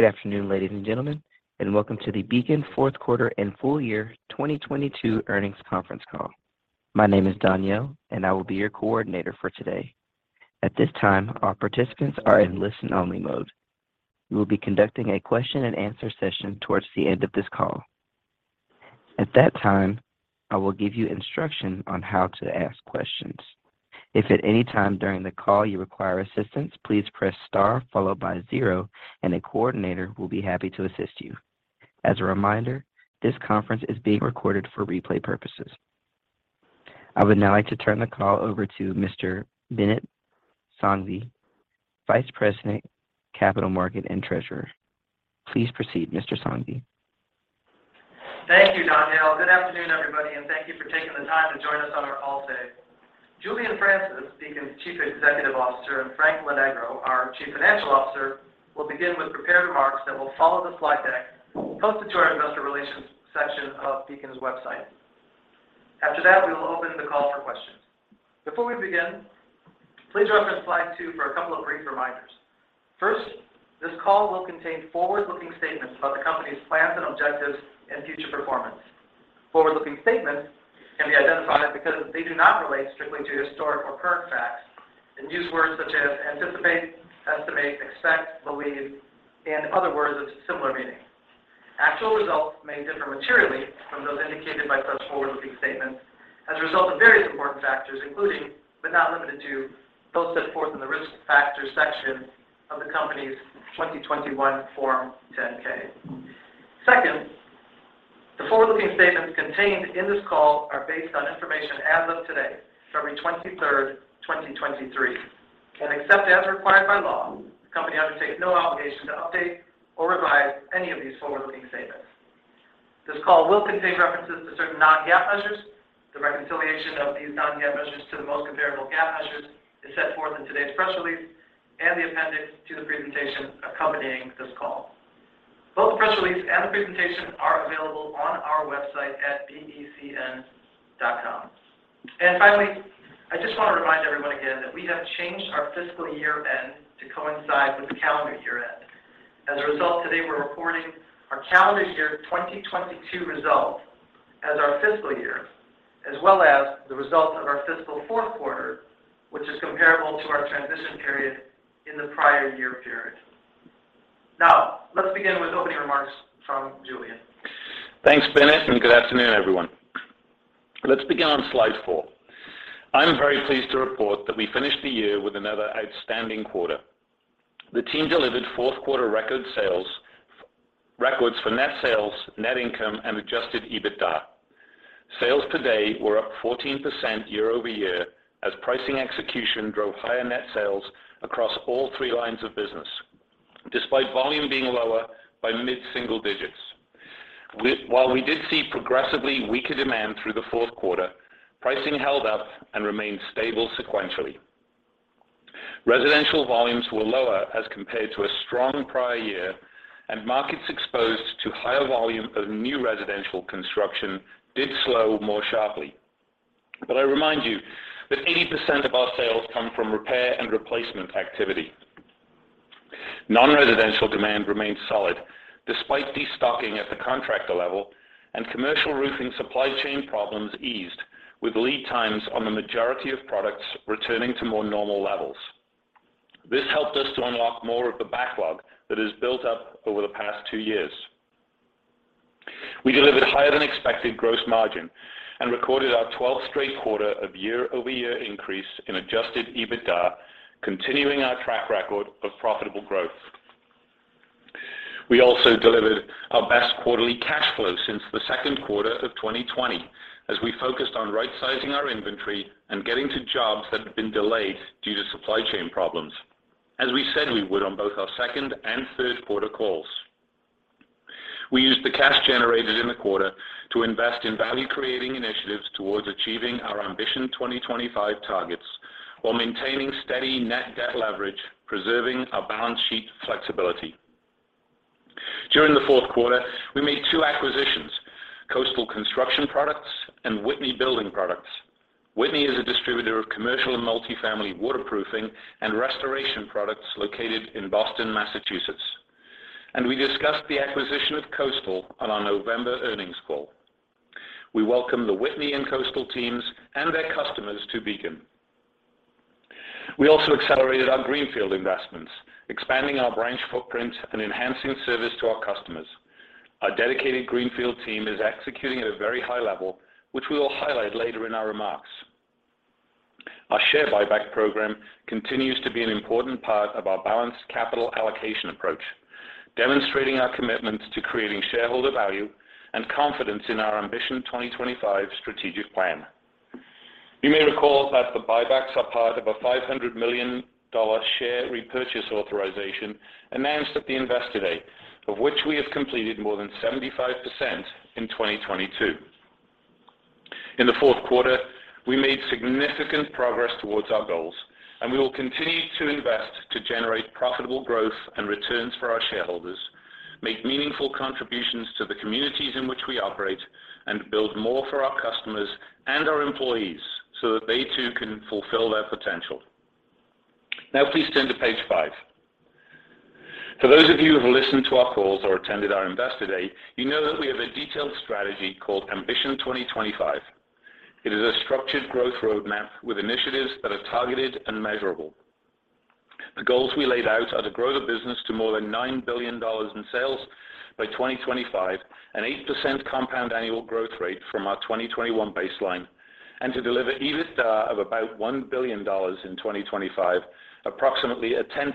Good afternoon, ladies and gentlemen. Welcome to the Beacon fourth quarter and full year 2022 earnings conference call. My name is Daniel and I will be your coordinator for today. At this time, all participants are in listen only mode. We will be conducting a Q&A session towards the end of this call. At that time, I will give you instruction on how to ask questions. If at any time during the call you require assistance, please press star followed by zero and a coordinator will be happy to assist you. As a reminder, this conference is being recorded for replay purposes. I would now like to turn the call over to Mr. Binit Sanghvi, Vice President, Capital Markets and Treasurer. Please proceed, Mr. Sanghvi. Thank you, Daniel. Good afternoon, everybody, and thank you for taking the time to join us on our call today. Julian Francis, Beacon's Chief Executive Officer, and Frank Lonegro, our Chief Financial Officer, will begin with prepared remarks that will follow the slide deck posted to our investor relations section of Beacon's website. We will open the call for questions. Before we begin, please reference slide two for a couple of brief reminders. First, this call will contain forward-looking statements about the company's plans and objectives and future performance. Forward-looking statements can be identified because they do not relate strictly to historic or current facts and use words such as anticipate, estimate, expect, believe, and other words of similar meaning. Actual results may differ materially from those indicated by such forward-looking statements as a result of various important factors, including, but not limited to, those set forth in the Risk Factors section of the company's 2021 Form 10-K.Second, the forward-looking statements contained in this call are based on information as of today, February 23, 2023. Except as required by law, the company undertakes no obligation to update or revise any of these forward-looking statements. This call will contain references to certain non-GAAP measures. The reconciliation of these non-GAAP measures to the most comparable GAAP measures is set forth in today's press release and the appendix to the presentation accompanying this call. Both the press release and the presentation are available on our website at becn.com. Finally, I just want to remind everyone again that we have changed our fiscal year-end to coincide with the calendar year-end. As a result, today we're reporting our calendar year 2022 result as our fiscal year, as well as the result of our fiscal Q4, which is comparable to our transition period in the prior year period. Now, let's begin with opening remarks from Julian. Thanks, Binit, good afternoon, everyone. Let's begin on slide 4. I'm very pleased to report that we finished the year with another outstanding quarter. The team delivered Q4 records for net sales, net income, and adjusted EBITDA. Sales today were up 14% year-over-year as pricing execution drove higher net sales across all three lines of business, despite volume being lower by mid-single digits. While we did see progressively weaker demand through the Q4, pricing held up and remained stable sequentially. Residential volumes were lower as compared to a strong prior year, and markets exposed to higher volume of new residential construction did slow more sharply. I remind you that 80% of our sales come from repair and replacement activity. Non-residential demand remained solid despite destocking at the contractor level and commercial roofing supply chain problems eased with lead times on the majority of products returning to more normal levels. This helped us to unlock more of the backlog that has built up over the past two years. We delivered higher than expected gross margin and recorded our 12th straight quarter of year-over-year increase in adjusted EBITDA, continuing our track record of profitable growth. We also delivered our best quarterly cash flow since the Q2 of 2020 as we focused on rightsizing our inventory and getting to jobs that had been delayed due to supply chain problems, as we said we would on both our second and third quarter calls. We used the cash generated in the quarter to invest in value creating initiatives towards achieving our Ambition 2025 targets while maintaining steady net debt leverage, preserving our balance sheet flexibility. During the Q4, we made two acquisitions, Coastal Construction Products and Whitney Building Products. Whitney is a distributor of commercial and multi-family waterproofing and restoration products located in Boston, Massachusetts. We discussed the acquisition of Coastal on our November earnings call. We welcome the Whitney and Coastal teams and their customers to Beacon. We also accelerated our Greenfield investments, expanding our branch footprint and enhancing service to our customers. Our dedicated Greenfield team is executing at a very high level, which we will highlight later in our remarks. Our share buyback program continues to be an important part of our balanced capital allocation approach, demonstrating our commitment to creating shareholder value and confidence in our Ambition 2025 strategic plan. You may recall that the buybacks are part of a $500 million share repurchase authorization announced at the Investor Day, of which we have completed more than 75% in 2022. In the Q4, we made significant progress towards our goals, and we will continue to invest to generate profitable growth and returns for our shareholders, make meaningful contributions to the communities in which we operate, and build more for our customers and our employees, so that they too can fulfill their potential. Please turn to page five. For those of you who have listened to our calls or attended our investor day, you know that we have a detailed strategy called Ambition 2025. It is a structured growth roadmap with initiatives that are targeted and measurable. The goals we laid out are to grow the business to more than $9 billion in sales by 2025, an 8% compound annual growth rate from our 2021 baseline, and to deliver EBITDA of about $1 billion in 2025, approximately a 10%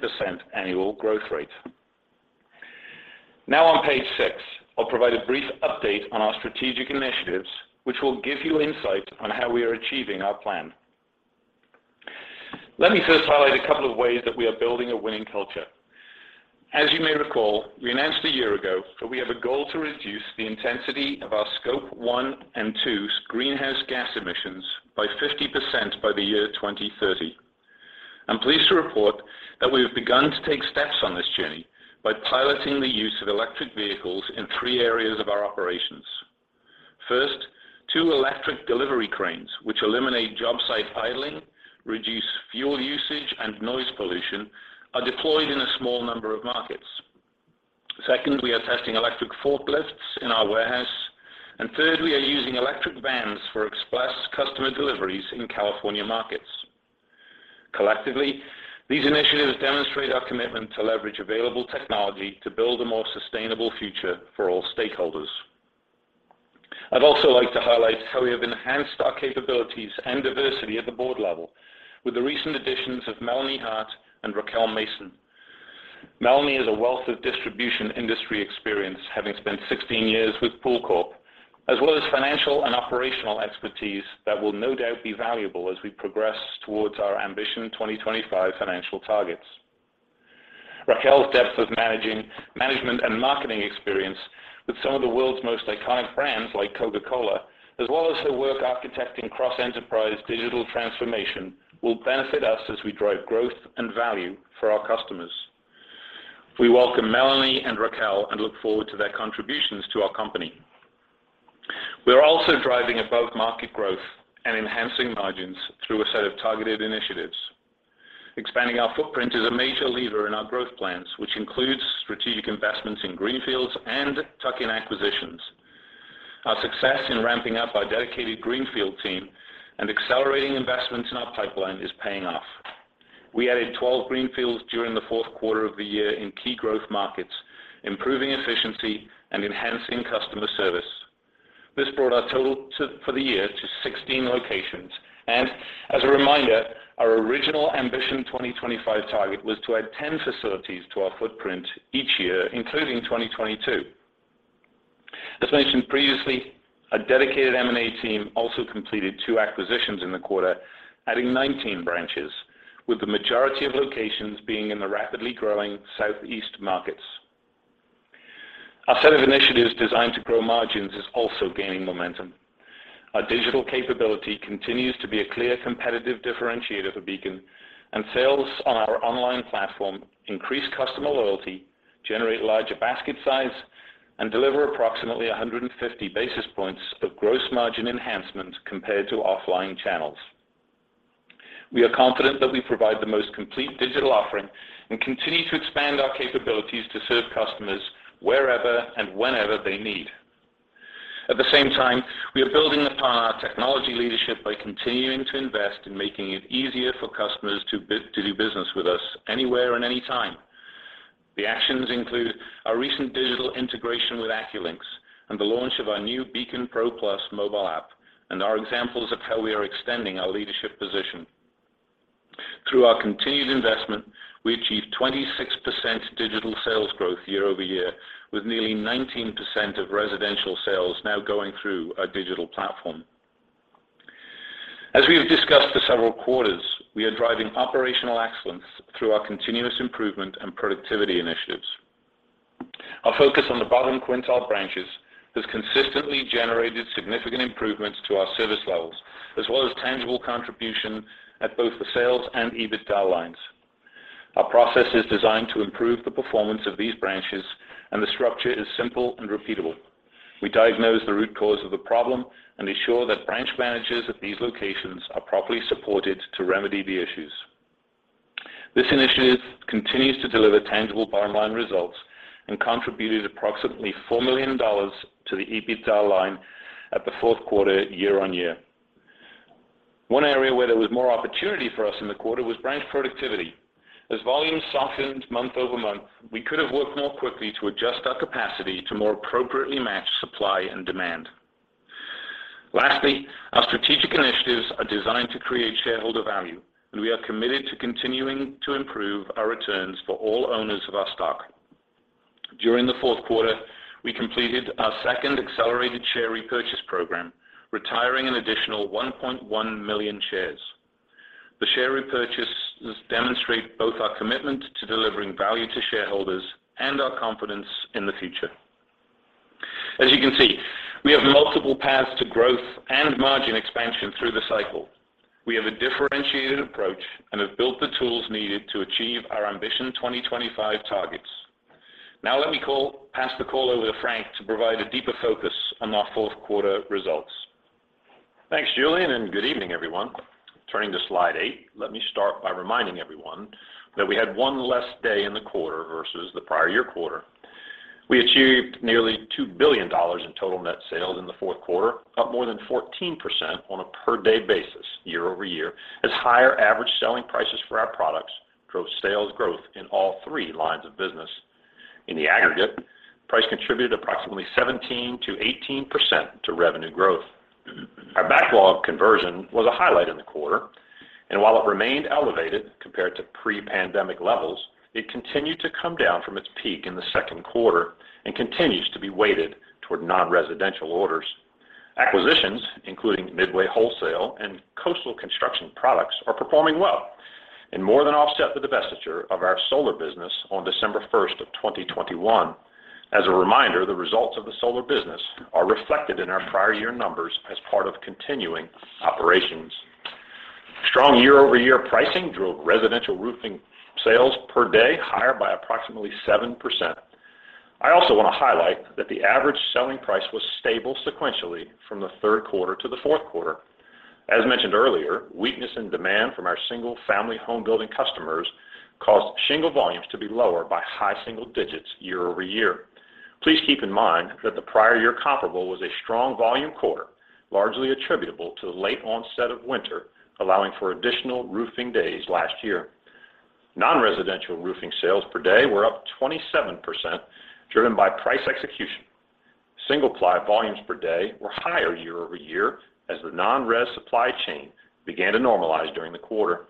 annual growth rate. On page six, I'll provide a brief update on our strategic initiatives, which will give you insight on how we are achieving our plan. Let me first highlight a couple of ways that we are building a winning culture. As you may recall, we announced a year ago that we have a goal to reduce the intensity of our Scope 1 and 2 greenhouse gas emissions by 50% by the year 2030. I'm pleased to report that we have begun to take steps on this journey by piloting the use of electric vehicles in three areas of our operations. First, two electric delivery cranes, which eliminate job site idling, reduce fuel usage and noise pollution, are deployed in a small number of markets. Second, we are testing electric forklifts in our warehouse. And third, we are using electric vans for express customer deliveries in California markets. Collectively, these initiatives demonstrate our commitment to leverage available technology to build a more sustainable future for all stakeholders. I'd also like to highlight how we have enhanced our capabilities and diversity at the board level with the recent additions of Melanie Hart and Racquel Mason. Melanie has a wealth of distribution industry experience, having spent 16 years with Pool Corp, as well as financial and operational expertise that will no doubt be valuable as we progress towards our Ambition 2025 financial targets. Racquel's depth of management and marketing experience with some of the world's most iconic brands like Coca-Cola, as well as her work architecting cross-enterprise digital transformation, will benefit us as we drive growth and value for our customers. We welcome Melanie and Racquel and look forward to their contributions to our company. We are also driving above-market growth and enhancing margins through a set of targeted initiatives. Expanding our footprint is a major lever in our growth plans, which includes strategic investments in greenfields and tuck-in acquisitions. Our success in ramping up our dedicated greenfield team and accelerating investments in our pipeline is paying off. We added 12 greenfields during the Q4 of the year in key growth markets, improving efficiency and enhancing customer service. This brought our total for the year to 16 locations. As a reminder, our original Ambition 2025 target was to add 10 facilities to our footprint each year, including 2022. As mentioned previously, our dedicated M&A team also completed two acquisitions in the quarter, adding 19 branches, with the majority of locations being in the rapidly growing Southeast markets. Our set of initiatives designed to grow margins is also gaining momentum. Our digital capability continues to be a clear competitive differentiator for Beacon. Sales on our online platform increase customer loyalty, generate larger basket size, and deliver approximately 150 basis points of gross margin enhancement compared to offline channels. We are confident that we provide the most complete digital offering and continue to expand our capabilities to serve customers wherever and whenever they need. The same time, we are building upon our technology leadership by continuing to invest in making it easier for customers to do business with us anywhere and any time. The actions include our recent digital integration with AccuLynx and the launch of our new Beacon PRO+ mobile app, are examples of how we are extending our leadership position. Through our continued investment, we achieved 26% digital sales growth year-over-year, with nearly 19% of residential sales now going through our digital platform. As we have discussed for several quarters, we are driving operational excellence through our continuous improvement and productivity initiatives. Our focus on the bottom quintile branches has consistently generated significant improvements to our service levels, as well as tangible contribution at both the sales and EBITDA lines. Our process is designed to improve the performance of these branches, and the structure is simple and repeatable. We diagnose the root cause of the problem and ensure that branch managers at these locations are properly supported to remedy the issues. This initiative continues to deliver tangible bottom-line results and contributed approximately $4 million to the EBITDA line at the Q4 year-on-year. One area where there was more opportunity for us in the quarter was branch productivity. As volumes softened month-over-month, we could have worked more quickly to adjust our capacity to more appropriately match supply and demand. Lastly, our strategic initiatives are designed to create shareholder value. We are committed to continuing to improve our returns for all owners of our stock. During the Q4, we completed our second accelerated share repurchase program, retiring an additional 1.1 million shares. The share repurchases demonstrate both our commitment to delivering value to shareholders and our confidence in the future. As you can see, we have multiple paths to growth and margin expansion through the cycle. We have a differentiated approach and have built the tools needed to achieve our Ambition 2025 targets. Let me pass the call over to Frank to provide a deeper focus on our Q4 results. Thanks, Julian, and good evening, everyone. Turning to slide eight, let me start by reminding everyone that we had one less day in the quarter versus the prior year quarter. We achieved nearly $2 billion in total net sales in the Q4, up more than 14% on a per-day basis year-over-year as higher average selling prices for our products drove sales growth in all three lines of business. In the aggregate, price contributed approximately 17%-18% to revenue growth. Our backlog conversion was a highlight in the quarter, and while it remained elevated compared to pre-pandemic levels, it continued to come down from its peak in the Q2 and continues to be weighted toward non-residential orders. Acquisitions, including Midway Wholesale and Coastal Construction Products, are performing well and more than offset the divestiture of our solar business on December 1st, 2021. As a reminder, the results of the solar business are reflected in our prior year numbers as part of continuing operations. Strong year-over-year pricing drove residential roofing sales per day higher by approximately 7%. I also want to highlight that the average selling price was stable sequentially from the Q3 to the Q4. As mentioned earlier, weakness in demand from our single-family home-building customers caused shingle volumes to be lower by high single digits year-over-year. Please keep in mind that the prior year comparable was a strong volume quarter, largely attributable to the late onset of winter, allowing for additional roofing days last year. Non-residential roofing sales per day were up 27%, driven by price execution. Single-ply volumes per day were higher year-over-year as the non-res supply chain began to normalize during the quarter.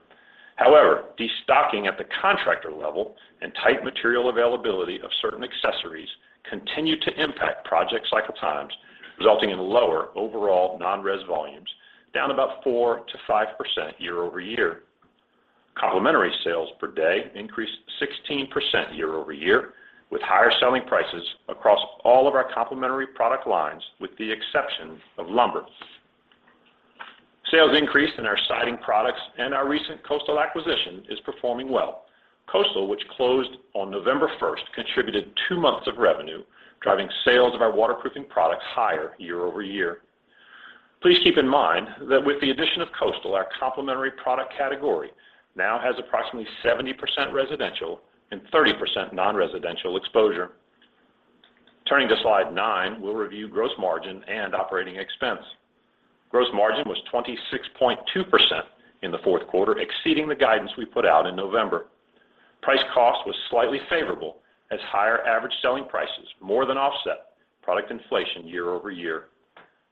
Destocking at the contractor level and tight material availability of certain accessories continued to impact project cycle times, resulting in lower overall non-res volumes, down about 4%-5% year-over-year. Complementary sales per day increased 16% year-over-year, with higher selling prices across all of our complementary product lines, with the exception of lumber. Sales increased in our siding products and our recent Coastal acquisition is performing well. Coastal, which closed on November 1st, 2022, contributed two months of revenue, driving sales of our waterproofing products higher year-over-year. Please keep in mind that with the addition of Coastal, our complementary product category now has approximately 70% residential and 30% non-residential exposure. Turning to slide nine, we'll review gross margin and operating expense. Gross margin was 26.2% in the Q4, exceeding the guidance we put out in November. Price cost was slightly favorable as higher average selling prices more than offset product inflation year-over-year.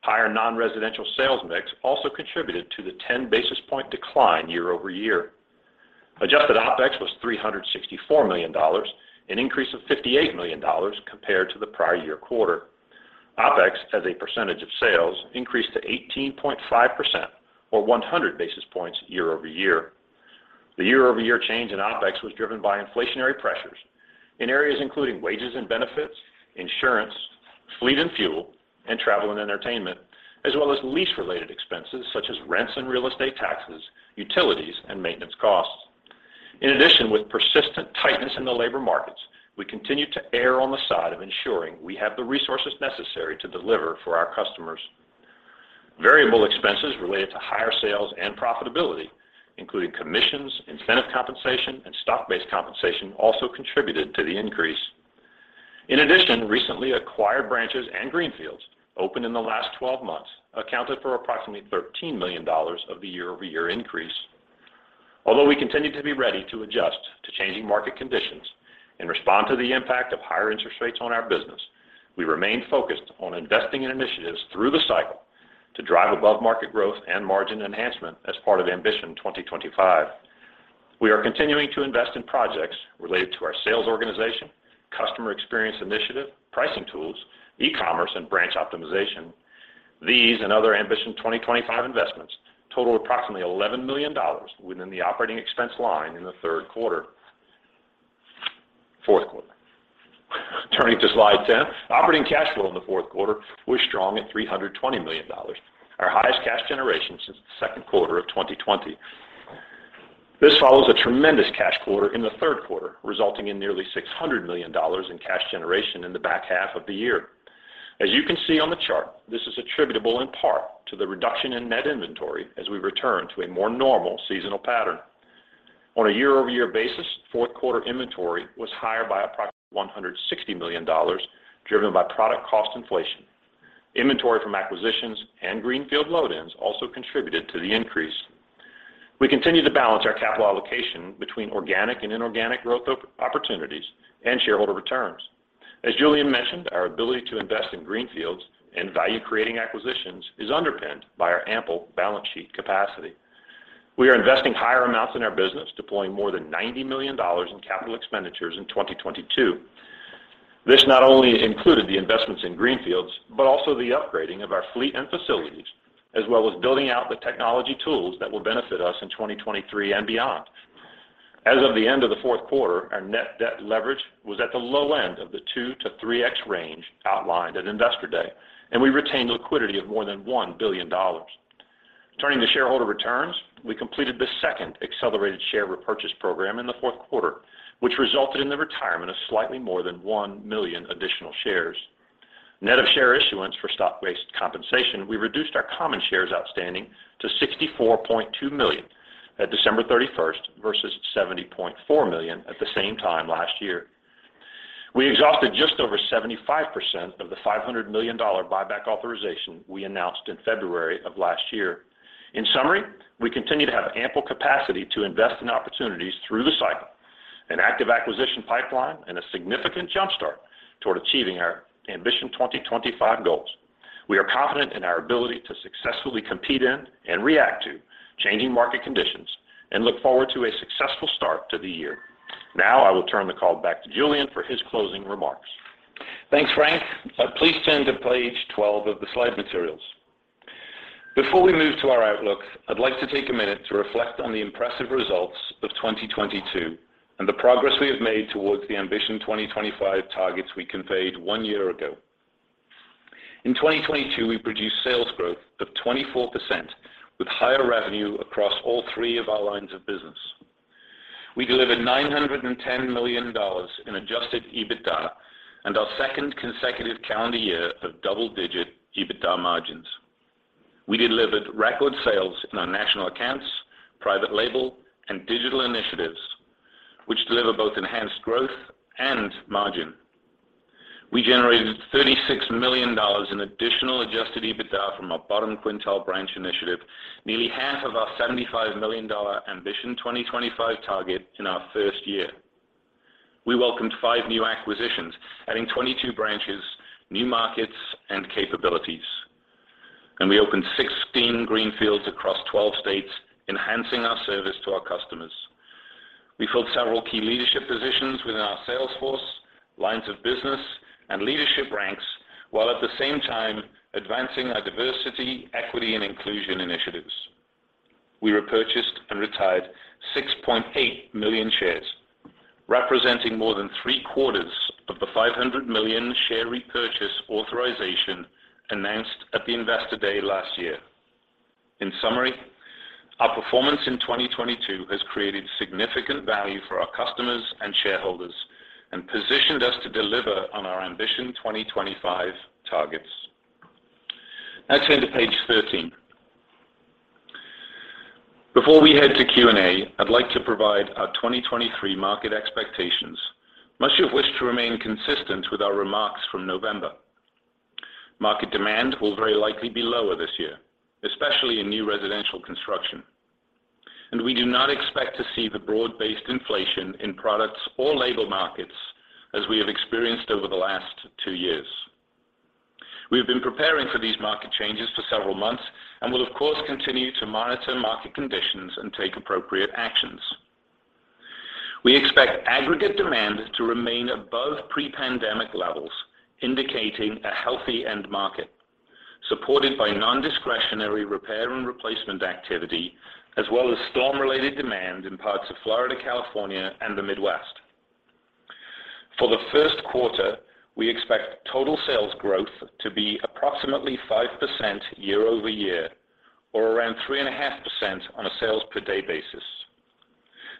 Higher non-residential sales mix also contributed to the 10 basis point decline year-over-year. Adjusted OpEx was $364 million, an increase of $58 million compared to the prior year quarter. OpEx as a percentage of sales increased to 18.5% or 100 basis points year-over-year. The year-over-year change in OpEx was driven by inflationary pressures in areas including wages and benefits, insurance, fleet and fuel, and travel and entertainment, as well as lease-related expenses such as rents and real estate taxes, utilities, and maintenance costs. In addition, with persistent tightness in the labor markets, we continue to err on the side of ensuring we have the resources necessary to deliver for our customers. Variable expenses related to higher sales and profitability, including commissions, incentive compensation, and stock-based compensation, also contributed to the increase. Recently acquired branches and greenfields opened in the last 12 months accounted for approximately $13 million of the year-over-year increase. Although we continue to be ready to adjust to changing market conditions and respond to the impact of higher interest rates on our business, we remain focused on investing in initiatives through the cycle to drive above-market growth and margin enhancement as part of Ambition 2025. We are continuing to invest in projects related to our sales organization, customer experience initiative, pricing tools, e-commerce, and branch optimization. These and other Ambition 2025 investments totaled approximately $11 million within the operating expense line in the third quarter. Q4. Turning to slide 10, operating cash flow in the Q4 was strong at $320 million, our highest cash generation since the Q2 of 2020. This follows a tremendous cash quarter in the Q3, resulting in nearly $600 million in cash generation in the back half of the year. As you can see on the chart, this is attributable in part to the reduction in net inventory as we return to a more normal seasonal pattern. On a year-over-year basis, Q4 inventory was higher by approximately $160 million, driven by product cost inflation. Inventory from acquisitions and greenfield load-ins also contributed to the increase. We continue to balance our capital allocation between organic and inorganic growth opportunities and shareholder returns. As Julian mentioned, our ability to invest in greenfields and value-creating acquisitions is underpinned by our ample balance sheet capacity. We are investing higher amounts in our business, deploying more than $90 million in capital expenditures in 2022. This not only included the investments in greenfields but also the upgrading of our fleet and facilities, as well as building out the technology tools that will benefit us in 2023 and beyond. As of the end of the Q4, our net debt leverage was at the low end of the 2x-3x range outlined at Investor Day, and we retained liquidity of more than $1 billion. Turning to shareholder returns, we completed the second accelerated share repurchase program in the Q4, which resulted in the retirement of slightly more than one million additional shares. Net of share issuance for stock-based compensation, we reduced our common shares outstanding to 64.2 million at December 31st, 2022, versus 70.4 million at the same time last year. We exhausted just over 75% of the $500 million buyback authorization we announced in February of last year. In summary, we continue to have ample capacity to invest in opportunities through the cycle, an active acquisition pipeline, and a significant jump-start toward achieving our Ambition 2025 goals. We are confident in our ability to successfully compete in and react to changing market conditions and look forward to a successful start to the year. I will turn the call back to Julian for his closing remarks. Thanks, Frank. Please turn to page 12 of the slide materials. Before we move to our outlook, I'd like to take a minute to reflect on the impressive results of 2022 and the progress we have made towards the Ambition 2025 targets we conveyed one year ago. In 2022, we produced sales growth of 24% with higher revenue across all three of our lines of business. We delivered $910 million in adjusted EBITDA and our second consecutive calendar year of double-digit EBITDA margins. We delivered record sales in our national accounts, private label, and digital initiatives, which deliver both enhanced growth and margin. We generated $36 million in additional adjusted EBITDA from our bottom quintile branch initiative, nearly half of our $75 million Ambition 2025 target in our first year. We welcomed five new acquisitions, adding 22 branches, new markets, and capabilities. We opened 16 greenfields across 12 states, enhancing our service to our customers. We filled several key leadership positions within our sales force, lines of business, and leadership ranks, while at the same time advancing our diversity, equity, and inclusion initiatives. We repurchased and retired 6.8 million shares, representing more than three-quarters of the 500 million share repurchase authorization announced at the Investor Day last year. In summary, our performance in 2022 has created significant value for our customers and shareholders and positioned us to deliver on our Ambition 2025 targets. Turn to page 13. Before we head to Q&A, I'd like to provide our 2023 market expectations, much of which remain consistent with our remarks from November. Market demand will very likely be lower this year, especially in new residential construction. We do not expect to see the broad-based inflation in products or labor markets as we have experienced over the last two years. We have been preparing for these market changes for several months and will of course, continue to monitor market conditions and take appropriate actions. We expect aggregate demand to remain above pre-pandemic levels, indicating a healthy end market, supported by non-discretionary repair and replacement activity, as well as storm-related demand in parts of Florida, California, and the Midwest. For the Q1, we expect total sales growth to be approximately 5% year-over-year or around 3.5% on a sales per day basis.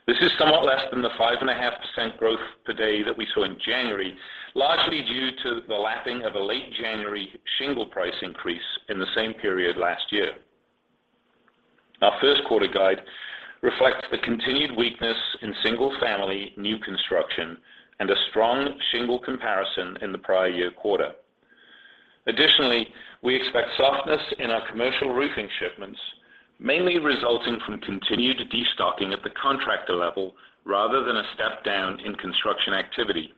This is somewhat less than the 5.5% growth per day that we saw in January, largely due to the lapping of a late January shingle price increase in the same period last year. Our Q1 guide reflects the continued weakness in single-family new construction and a strong shingle comparison in the prior year quarter. We expect softness in our commercial roofing shipments, mainly resulting from continued destocking at the contractor level rather than a step down in construction activity.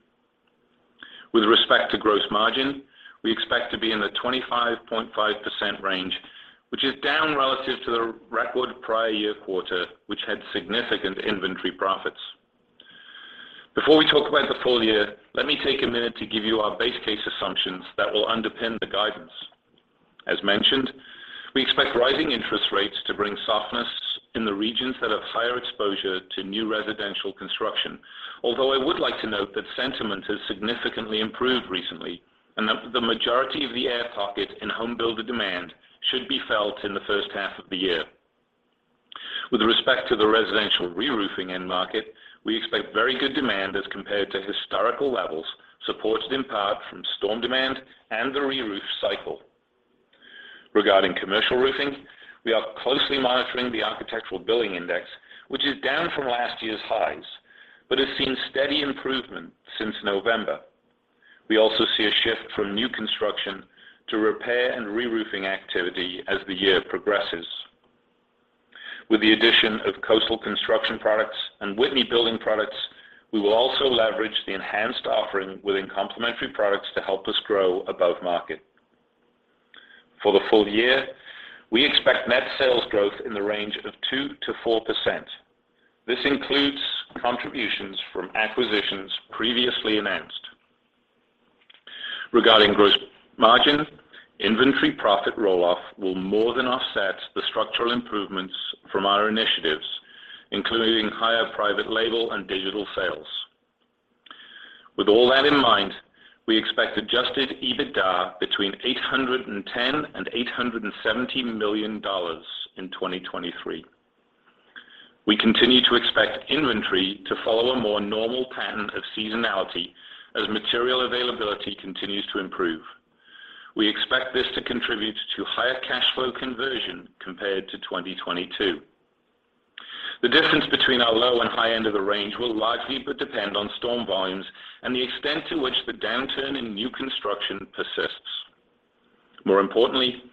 With respect to gross margin, we expect to be in the 25.5% range, which is down relative to the record prior year quarter, which had significant inventory profits. Before we talk about the full year, let me take a minute to give you our base case assumptions that will underpin the guidance. As mentioned, we expect rising interest rates to bring softness in the regions that have higher exposure to new residential construction. Although I would like to note that sentiment has significantly improved recently, and the majority of the air pocket in home builder demand should be felt in the H1 of the year. With respect to the residential reroofing end market, we expect very good demand as compared to historical levels, supported in part from storm demand and the reroof cycle. Regarding commercial roofing, we are closely monitoring the Architectural Billing Index, which is down from last year's highs, but has seen steady improvement since November. We also see a shift from new construction to repair and reroofing activity as the year progresses. With the addition of Coastal Construction Products and Whitney Building Products, we will also leverage the enhanced offering within complementary products to help us grow above market. For the full year, we expect net sales growth in the range of 2%-4%. This includes contributions from acquisitions previously announced. Regarding gross margin, inventory profit roll-off will more than offset the structural improvements from our initiatives, including higher private label and digital sales. With all that in mind, we expect adjusted EBITDA between $810 million-$870 million in 2023. We continue to expect inventory to follow a more normal pattern of seasonality as material availability continues to improve. We expect this to contribute to higher cash flow conversion compared to 2022. The difference between our low and high end of the range will largely but depend on storm volumes and the extent to which the downturn in new construction persists. More importantly,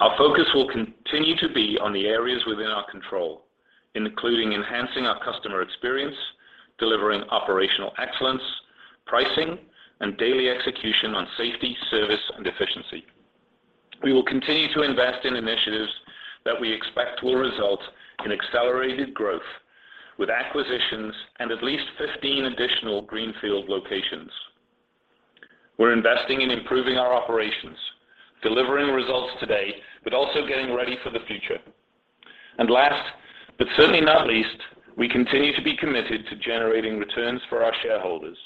our focus will continue to be on the areas within our control, including enhancing our customer experience, delivering operational excellence, pricing, and daily execution on safety, service and efficiency. We will continue to invest in initiatives that we expect will result in accelerated growth with acquisitions and at least 15 additional greenfield locations. We're investing in improving our operations, delivering results today, but also getting ready for the future. Last, but certainly not least, we continue to be committed to generating returns for our shareholders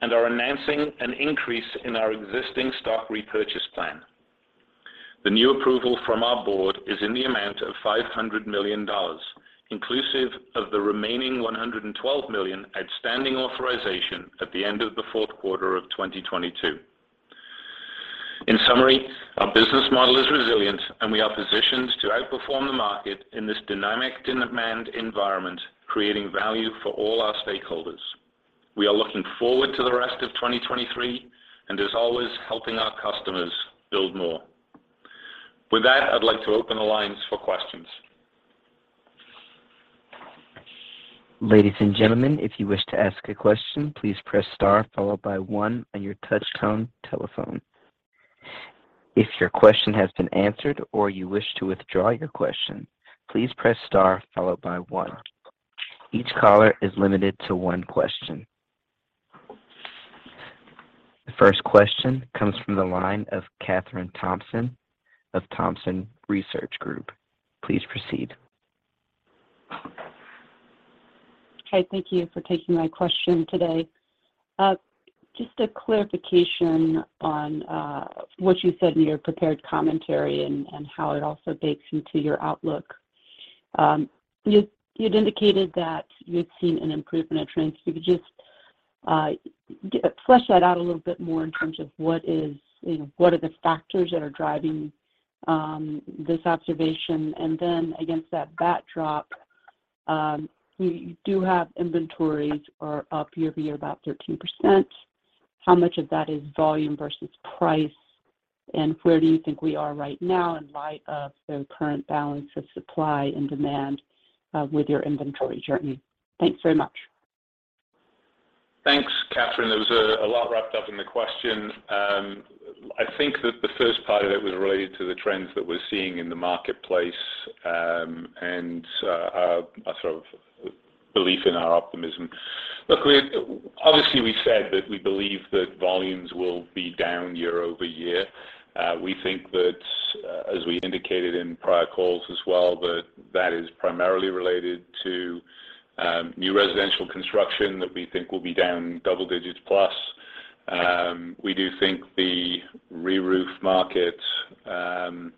and are announcing an increase in our existing stock repurchase plan. The new approval from our Board is in the amount of $500 million, inclusive of the remaining $112 million outstanding authorization at the end of the Q4 of 2022. In summary, our business model is resilient, and we are positioned to outperform the market in this dynamic demand environment, creating value for all our stakeholders. We are looking forward to the rest of 2023, and as always, helping our customers build more. With that, I'd like to open the lines for questions. Ladies and gentlemen, if you wish to ask a question, please press star followed by one on your touch tone telephone. If your question has been answered or you wish to withdraw your question, please press star followed by one. Each caller is limited to one question. The first question comes from the line of Kathryn Thompson of Thompson Research Group. Please proceed. Hey, thank you for taking my question today. Just a clarification on what you said in your prepared commentary and how it also bakes into your outlook. You'd indicated that you had seen an improvement of trends. If you could just flush that out a little bit more in terms of what is, you know, what are the factors that are driving this observation? Against that backdrop, you do have inventories are up year-over-year about 13%. How much of that is volume versus price? Where do you think we are right now in light of the current balance of supply and demand with your inventory journey? Thanks very much. Thanks, Kathryn. There was a lot wrapped up in the question. I think that the first part of it was related to the trends that we're seeing in the marketplace, and our sort of belief in our optimism. Look, obviously, we said that we believe that volumes will be down year-over-year. We think that, as we indicated in prior calls as well, that that is primarily related to new residential construction that we think will be down double-digits plus. We do think the reroof market on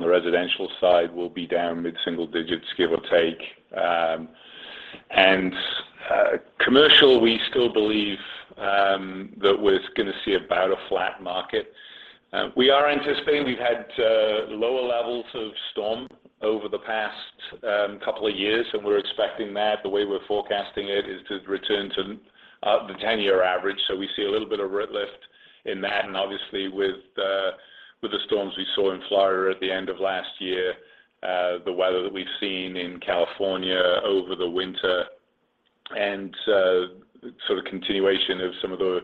the residential side will be down mid-single-digits, give or take. Commercial, we still believe that we're gonna see about a flat market. We are anticipating we've had lower levels of storm over the past couple of years, and we're expecting that. The way we're forecasting it is to return to the 10-year average. We see a little bit of lift in that. Obviously with the, with the storms we saw in Florida at the end of last year, the weather that we've seen in California over the winter, and sort of continuation of some of the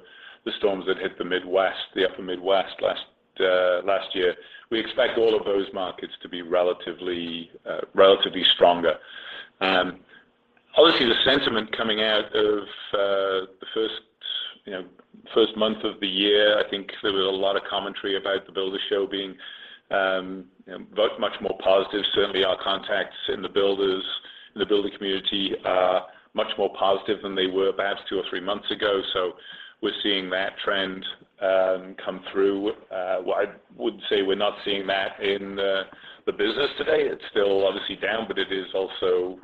storms that hit the Midwest, the Upper Midwest last year. We expect all of those markets to be relatively stronger. Obviously, the sentiment coming out of the first, you know, first month of the year, I think there was a lot of commentary about the builder show being, you know, both much more positive. Certainly our contacts in the builders, in the building community are much more positive than they were perhaps two months or three months ago. We're seeing that trend come through. Well, I would say we're not seeing that in the business today. It's still obviously down, but it is also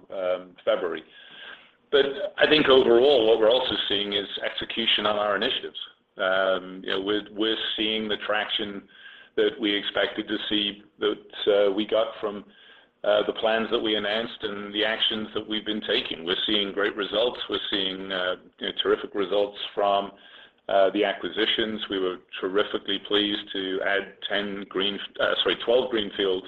February. I think overall what we're also seeing is execution on our initiatives. You know, we're seeing the traction that we expected to see that we got from the plans that we announced and the actions that we've been taking. We're seeing great results. We're seeing, you know, terrific results from the acquisitions. We were terrifically pleased to add 12 greenfields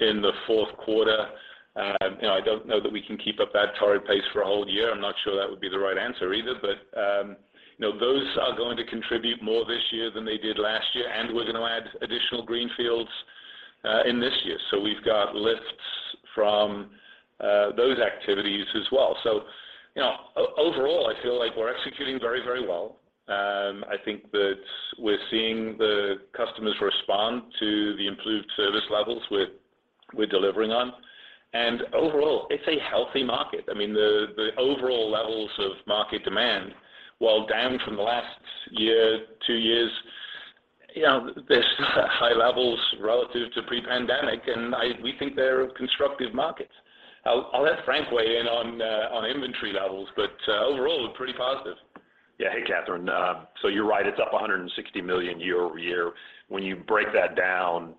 in the Q4. You know, I don't know that we can keep up that torrid pace for a whole year. I'm not sure that would be the right answer either. You know, those are going to contribute more this year than they did last year, and we're gonna add additional greenfields this year. We've got lifts from those activities as well. You know, overall, I feel like we're executing very, very well. I think that we're seeing the customers respond to the improved service levels we're delivering on. Overall, it's a healthy market. I mean the overall levels of market demand, while down from the last year, two years, you know, there's high levels relative to pre-pandemic, and we think they're a constructive market. I'll let Frank weigh in on inventory levels, but overall, we're pretty positive. Yeah. Hey, Kathryn. You're right, it's up $160 million year-over-year. When you break that down,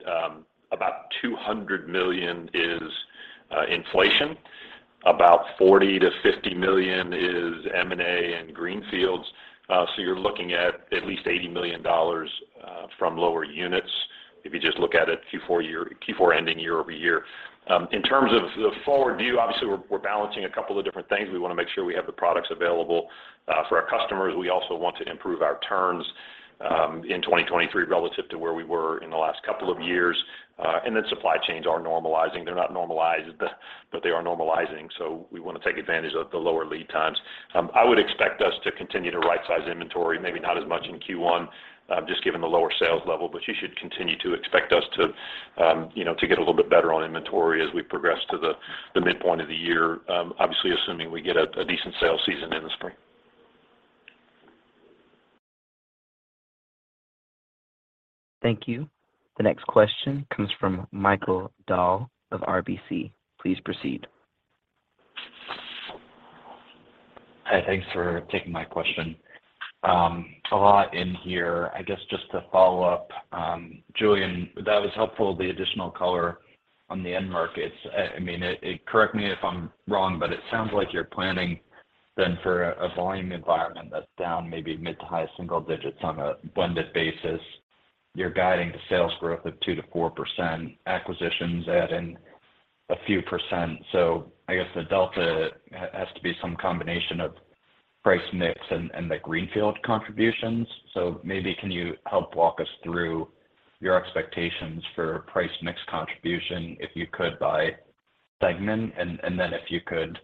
about $200 million is inflation, about $40 million-$50 million is M&A and greenfields. You're looking at at least $80 million from lower units if you just look at it Q4 ending year-over-year. In terms of the forward view, obviously we're balancing a couple of different things. We wanna make sure we have the products available for our customers. We also want to improve our turns in 2023 relative to where we were in the last couple of years. Supply chains are normalizing. They're not normalized, they are normalizing, we wanna take advantage of the lower lead times. I would expect us to continue to right-size inventory, maybe not as much in Q1, just given the lower sales level, but you should continue to expect us to, you know, to get a little bit better on inventory as we progress to the midpoint of the year, obviously assuming we get a decent sales season in the spring. Thank you. The next question comes from Michael Dahl of RBC. Please proceed. Hi. Thanks for taking my question. A lot in here. I guess just to follow up, Julian, that was helpful, the additional color on the end markets. I mean, correct me if I'm wrong, but it sounds like you're planning then for a volume environment that's down maybe mid to high single digits on a blended basis. You're guiding the sales growth of 2%-4%, acquisitions adding a few percent. I guess the delta has to be some combination of price mix and the greenfield contributions. Maybe can you help walk us through your expectations for price mix contribution, if you could, by segment? Then if you could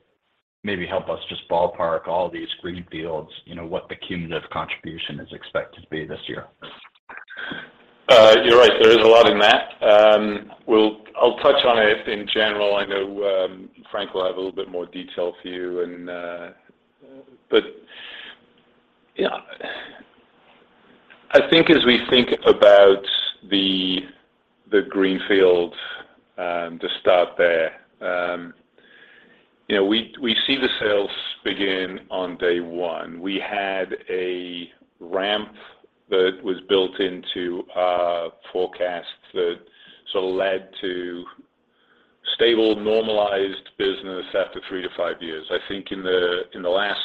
maybe help us just ballpark all these greenfields, you know, what the cumulative contribution is expected to be this year. You're right, there is a lot in that. I'll touch on it in general. I know, Frank will have a little bit more detail for you and. You know, I think as we think about the greenfields, to start there, you know, we see the sales begin on day one. We had a ramp that was built into our forecast that sort of led to stable, normalized business after three years to five years. I think in the last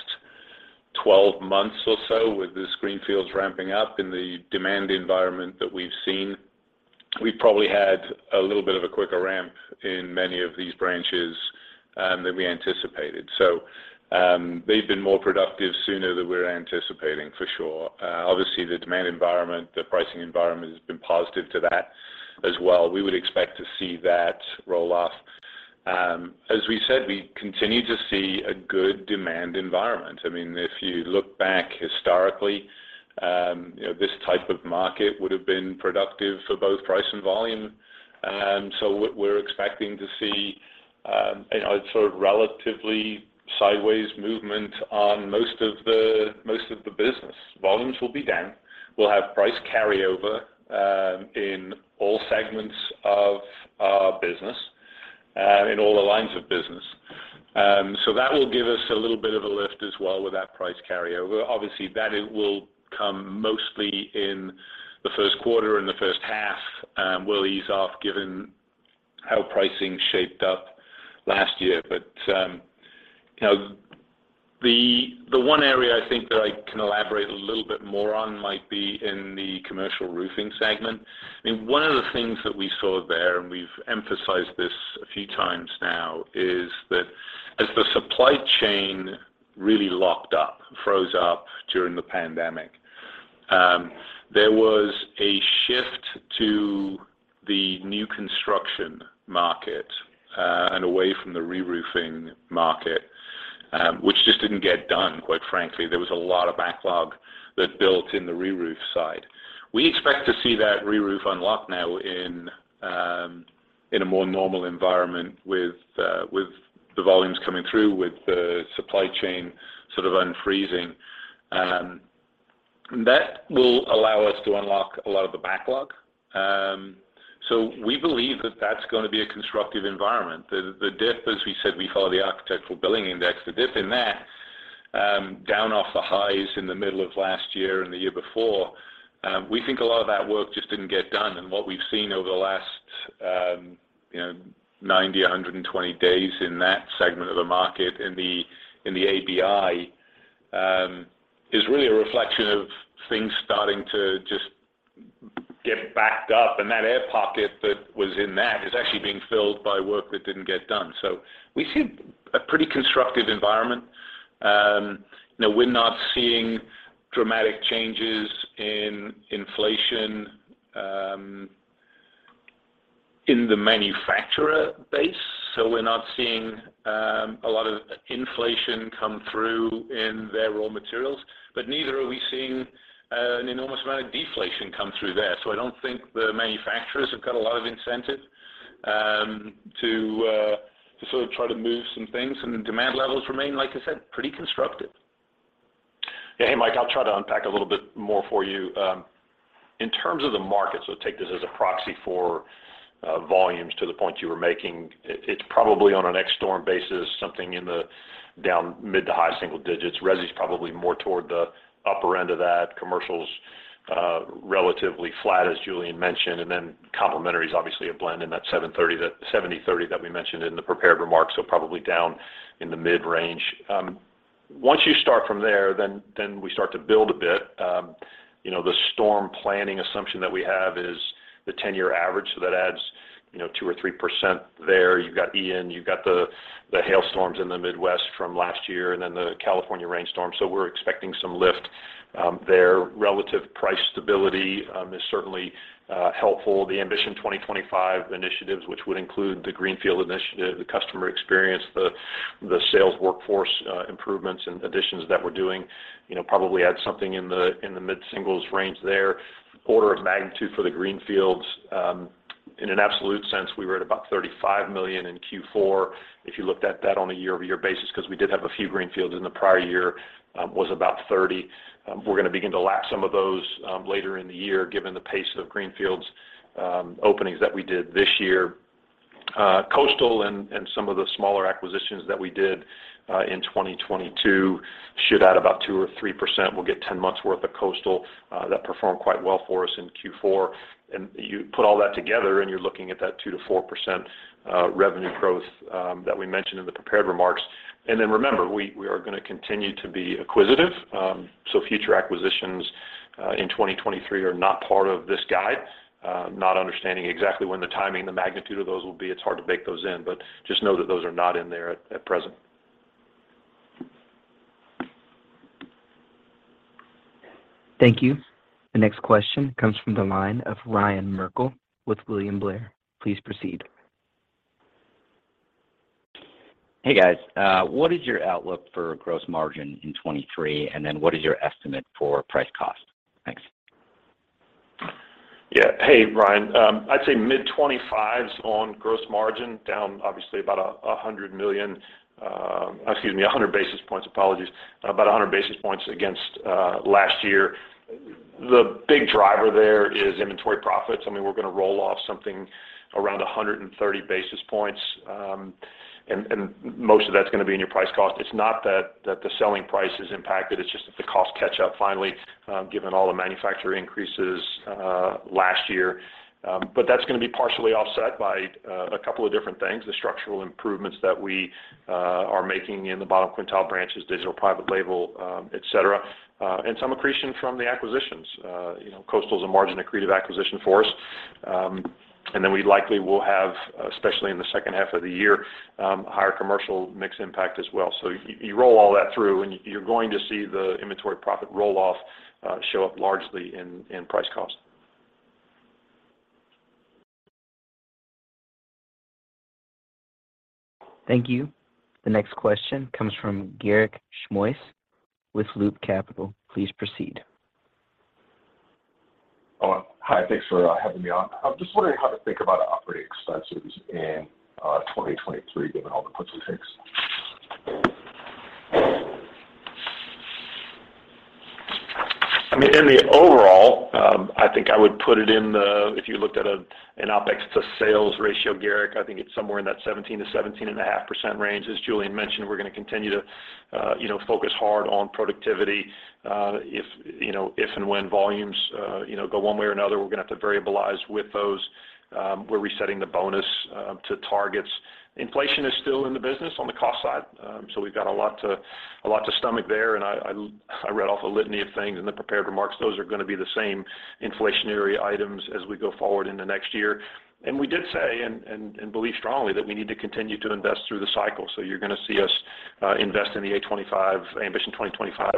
12 months or so with this greenfields ramping up in the demand environment that we've seen, we probably had a little bit of a quicker ramp in many of these branches than we anticipated. They've been more productive sooner than we're anticipating, for sure. Obviously the demand environment, the pricing environment has been positive to that as well. We would expect to see that roll-off. As we said, we continue to see a good demand environment. I mean, if you look back historically, you know, this type of market would've been productive for both price and volume. What we're expecting to see, you know, sort of relatively sideways movement on most of the, most of the business. Volumes will be down. We'll have price carryover, in all segments of our business, in all the lines of business. That will give us a little bit of a lift as well with that price carryover. Obviously, that it will come mostly in the Q1 and the H1, will ease off given how pricing shaped up last year. You know, the one area I think that I can elaborate a little bit more on might be in the commercial roofing segment. I mean, one of the things that we saw there, and we've emphasized this a few times now, is that as the supply chain really locked up, froze up during the pandemic, there was a shift to the new construction market and away from the reroofing market, which just didn't get done, quite frankly. There was a lot of backlog that built in the reroof side. We expect to see that reroof unlock now in a more normal environment with the volumes coming through, with the supply chain sort of unfreezing. That will allow us to unlock a lot of the backlog. We believe that that's gonna be a constructive environment. The dip, as we said, we follow the Architectural Billing Index. The dip in that, down off the highs in the middle of last year and the year before, we think a lot of that work just didn't get done. What we've seen over the last, you know, 90 days, 120 days in that segment of the market in the ABI, is really a reflection of things starting to just get backed up. That air pocket that was in that is actually being filled by work that didn't get done. We see a pretty constructive environment. You know, we're not seeing dramatic changes in inflation, in the manufacturer base. We're not seeing a lot of inflation come through in their raw materials, but neither are we seeing an enormous amount of deflation come through there. I don't think the manufacturers have got a lot of incentive to sort of try to move some things, and the demand levels remain, like I said, pretty constructive. Yeah. Hey, Mike, I'll try to unpack a little bit more for you. In terms of the market, take this as a proxy for, volumes to the point you were making. It's probably on a next storm basis, something in the down mid to high single digits. RESI's probably more toward the upper end of that. Commercial's, relatively flat, as Julian mentioned, and then complementary is obviously a blend in that 70/30, that 70/30 that we mentioned in the prepared remarks, probably down in the mid-range. Once you start from there, then we start to build a bit. You know, the storm planning assumption that we have is the 10-year average, that adds, you know, 2% or 3% there. You've got Ian, you've got the hailstorms in the Midwest from last year, and then the California rainstorm. We're expecting some lift there. Relative price stability is certainly helpful. The Ambition 2025 initiatives, which would include the Greenfield initiative, the customer experience, the sales workforce improvements and additions that we're doing, you know, probably add something in the mid-singles range there. Order of magnitude for the Greenfields, in an absolute sense, we were at about $35 million in Q4. If you looked at that on a year-over-year basis, 'cause we did have a few Greenfields in the prior year, was about $30. We're gonna begin to lap some of those later in the year given the pace of Greenfields openings that we did this year. Coastal and some of the smaller acquisitions that we did in 2022 should add about 2% or 3%.We'll get 10 months worth of Coastal that performed quite well for us in Q4. You put all that together, and you're looking at that 2%-4% revenue growth that we mentioned in the prepared remarks. Remember, we are gonna continue to be acquisitive. Future acquisitions in 2023 are not part of this guide. Not understanding exactly when the timing, the magnitude of those will be, it's hard to bake those in. Just know that those are not in there at present. Thank you. The next question comes from the line of Ryan Merkel with William Blair. Please proceed. Hey, guys. What is your outlook for gross margin in 2023? What is your estimate for price cost? Thanks. Hey, Ryan. I'd say mid-20s on gross margin, down obviously about 100 basis points. About 100 basis points against last year. The big driver there is inventory profits. I mean, we're gonna roll off something around 130 basis points, and most of that's gonna be in your price cost. It's not that the selling price is impacted. It's just that the costs catch up finally, given all the manufacturer increases last year. That's gonna be partially offset by a couple of different things, the structural improvements that we are making in the bottom quintile branches, digital private label, et cetera, and some accretion from the acquisitions. you know, Coastal is a margin-accretive acquisition for us. We likely will have, especially in the H2 of the year, higher commercial mix impact as well. You roll all that through, and you're going to see the inventory profit roll-off, show up largely in price cost. Thank you. The next question comes from Garik Shmois with Loop Capital. Please proceed. Hi. Thanks for having me on. I'm just wondering how to think about operating expenses in 2023 given all the puts and takes. I mean, in the overall, I think I would put it if you looked at an OpEx-to-sales ratio, Garik, I think it's somewhere in that 17% to 17.5% range. As Julian mentioned, we're gonna continue to, you know, focus hard on productivity. If, you know, if and when volumes, you know, go one way or another, we're gonna have to variabilize with those. We're resetting the bonus to targets. Inflation is still in the business on the cost side, so we've got a lot to stomach there. I read off a litany of things in the prepared remarks. Those are gonna be the same inflationary items as we go forward into next year. We did say and believe strongly that we need to continue to invest through the cycle. You're gonna see us invest in Ambition 2025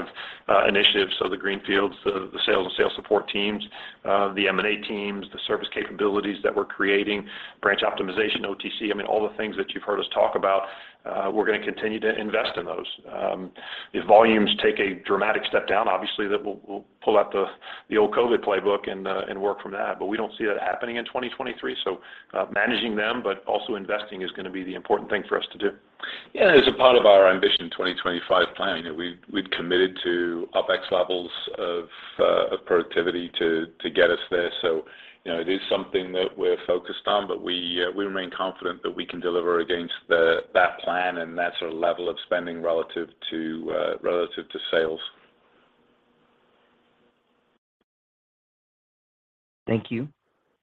initiatives, so the Greenfields, the sales and sales support teams, the M&A teams, the service capabilities that we're creating, branch optimization, OTC, I mean, all the things that you've heard us talk about, we're gonna continue to invest in those. If volumes take a dramatic step down, obviously that we'll pull out the old COVID playbook and work from that. We don't see that happening in 2023, managing them, but also investing is gonna be the important thing for us to do. Yeah. As a part of our Ambition 2025 plan, you know, we'd committed to OpEx levels of productivity to get us there. You know, it is something that we're focused on, but we remain confident that we can deliver against that plan and that sort of level of spending relative to relative to sales. Thank you.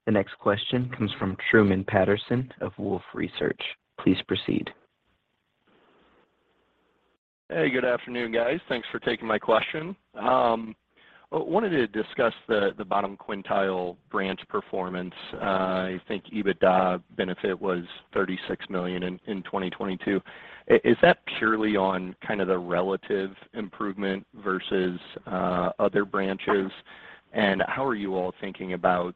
The next question comes from Truman Patterson of Wolfe Research. Please proceed. Hey, good afternoon, guys. Thanks for taking my question. Wanted to discuss the bottom quintile branch performance. I think EBITDA benefit was $36 million in 2022. Is that purely on kind of the relative improvement versus other branches? How are you all thinking about,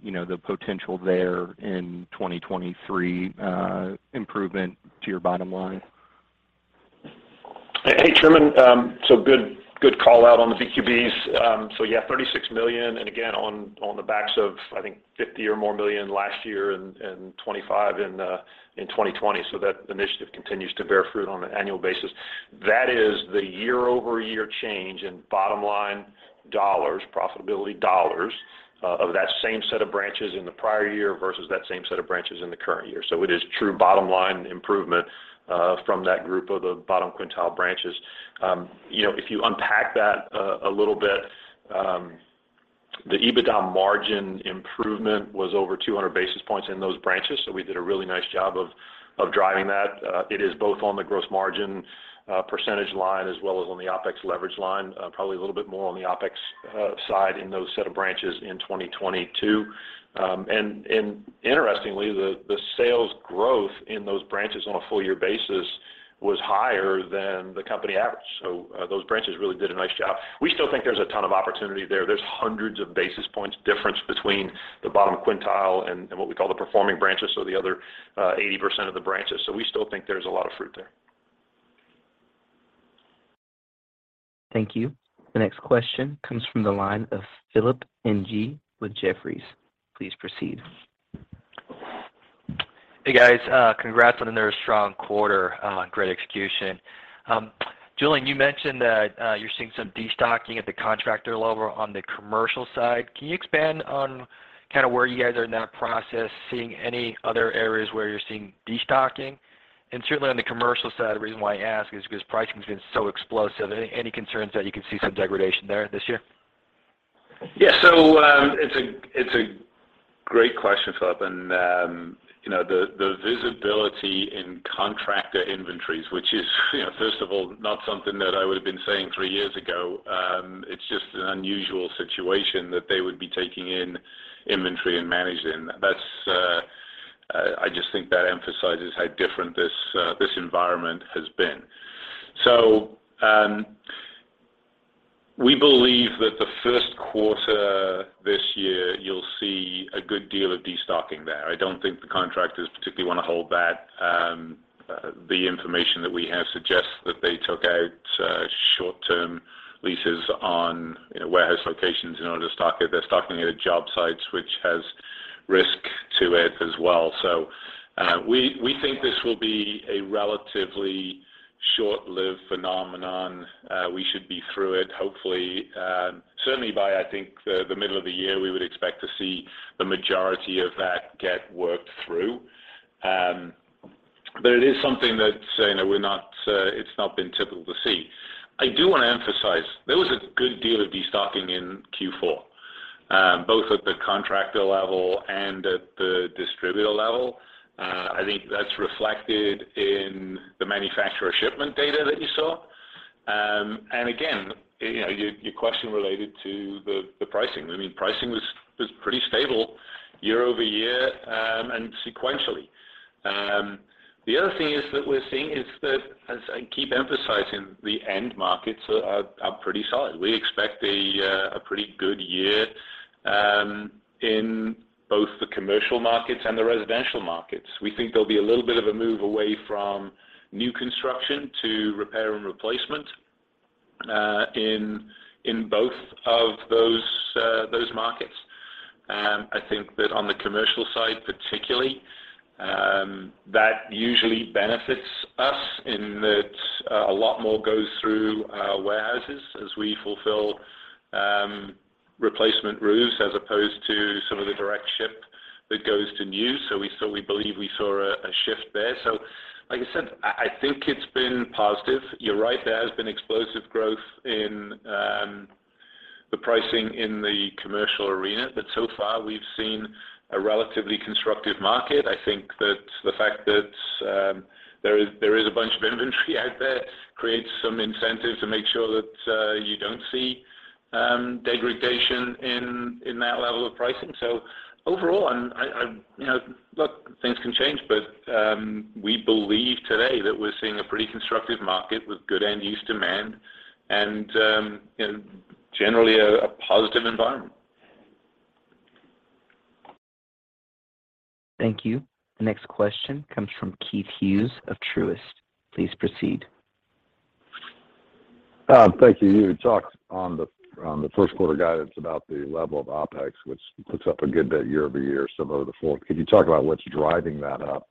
you know, the potential there in 2023, improvement to your bottom line? Hey, Truman. good call out on the VQBs. Yeah, $36 million, and again, on the backs of, I think $50 million or more last year and, $25 million in 2020. That initiative continues to bear fruit on an annual basis. That is the year-over-year change in bottom-line dollars, profitability dollars, of that same set of branches in the prior year versus that same set of branches in the current year. It is true bottom-line improvement, from that group of the bottom quintile branches. You know, if you unpack that a little bit, the EBITDA margin improvement was over 200 basis points in those branches. We did a really nice job of driving that. It is both on the gross margin percentage line as well as on the OpEx leverage line, probably a little bit more on the OpEx side in those set of branches in 2022. Interestingly, the sales growth in those branches on a full year basis was higher than the company average. Those branches really did a nice job. We still think there's a ton of opportunity there. There's hundreds of basis points difference between the bottom quintile and what we call the performing branches, so the other 80% of the branches. We still think there's a lot of fruit there. Thank you. The next question comes from the line of Philip Ng with Jefferies. Please proceed. Hey, guys. Congrats on another strong quarter, on great execution. Julian, you mentioned that, you're seeing some destocking at the contractor level on the commercial side. Can you expand on kinda where you guys are in that process, seeing any other areas where you're seeing destocking? Certainly on the commercial side, the reason why I ask is 'cause pricing's been so explosive. Any concerns that you can see some degradation there this year? Yeah. It's a great question, Philip. You know, the visibility in contractor inventories, which is, you know, first of all, not something that I would have been saying three years ago, it's just an unusual situation that they would be taking in inventory and managing. That's, I just think that emphasizes how different this environment has been. We believe that the Q1 this year, you'll see a good deal of destocking there. I don't think the contractors particularly wanna hold that. The information that we have suggests that they took out short-term leases on, you know, warehouse locations in order to stock it. They're stocking at job sites, which has risk to it as well. We think this will be a relatively short-lived phenomenon. We should be through it, hopefully, certainly by, I think, the middle of the year, we would expect to see the majority of that get worked through. It is something that, you know, we're not, it's not been typical to see. I do wanna emphasize, there was a good deal of destocking in Q4, both at the contractor level and at the distributor level. I think that's reflected in the manufacturer shipment data that you saw. Again, you know, your question related to the pricing. I mean, pricing was pretty stable year-over-year, and sequentially. The other thing is that we're seeing is that, as I keep emphasizing, the end markets are pretty solid. We expect a pretty good year, in both the commercial markets and the residential markets. We think there'll be a little bit of a move away from new construction to repair and replacement, in both of those markets. I think that on the commercial side, particularly, that usually benefits us in that a lot more goes through our warehouses as we fulfill replacement roofs as opposed to some of the direct ship that goes to new. We believe we saw a shift there. Like I said, I think it's been positive. You're right, there has been explosive growth in the pricing in the commercial arena. So far, we've seen a relatively constructive market. I think that the fact that there is a bunch of inventory out there creates some incentive to make sure that you don't see degradation in that level of pricing. Overall, and I, you know, look, things can change, but we believe today that we're seeing a pretty constructive market with good end use demand and, you know, generally a positive environment. Thank you. The next question comes from Keith Hughes of Truist. Please proceed. Thank you. You talked on the, on the Q1 guidance about the level of OpEx, which looks up a good bit year-over-year, similar to the fourth. Can you talk about what's driving that up?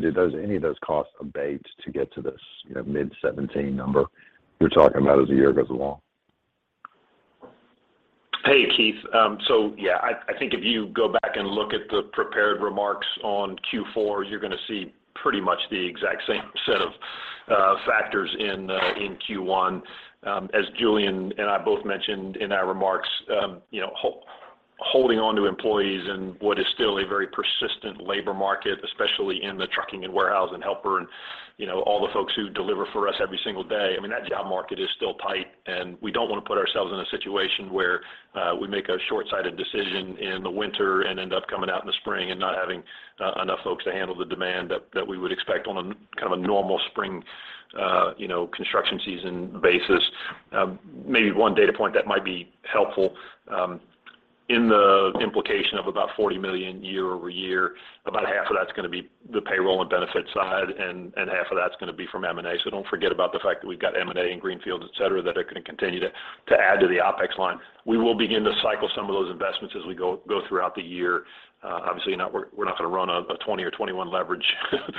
Do those, any of those costs abate to get to this, mid-17 number you're talking about as the year goes along? Hey, Keith. Yeah, I think if you go back and look at the prepared remarks on Q4, you're gonna see pretty much the exact same set of factors in Q1. As Julian and I both mentioned in our remarks, you know, holding on to employees in what is still a very persistent labor market, especially in the trucking and warehouse and helper and, you know, all the folks who deliver for us every single day. I mean, that job market is still tight, and we don't wanna put ourselves in a situation where we make a short-sighted decision in the winter and end up coming out in the spring and not having enough folks to handle the demand that we would expect on a kind of a normal spring, you know, construction season basis. Maybe one data point that might be helpful. In the implication of about $40 million year-over-year, about half of that's gonna be the payroll and benefit side, and half of that's gonna be from M&A. Don't forget about the fact that we've got M&A in greenfield, et cetera, that are gonna continue to add to the OpEx line. We will begin to cycle some of those investments as we go throughout the year. Obviously, you know, we're not gonna run a 20 or 21 leverage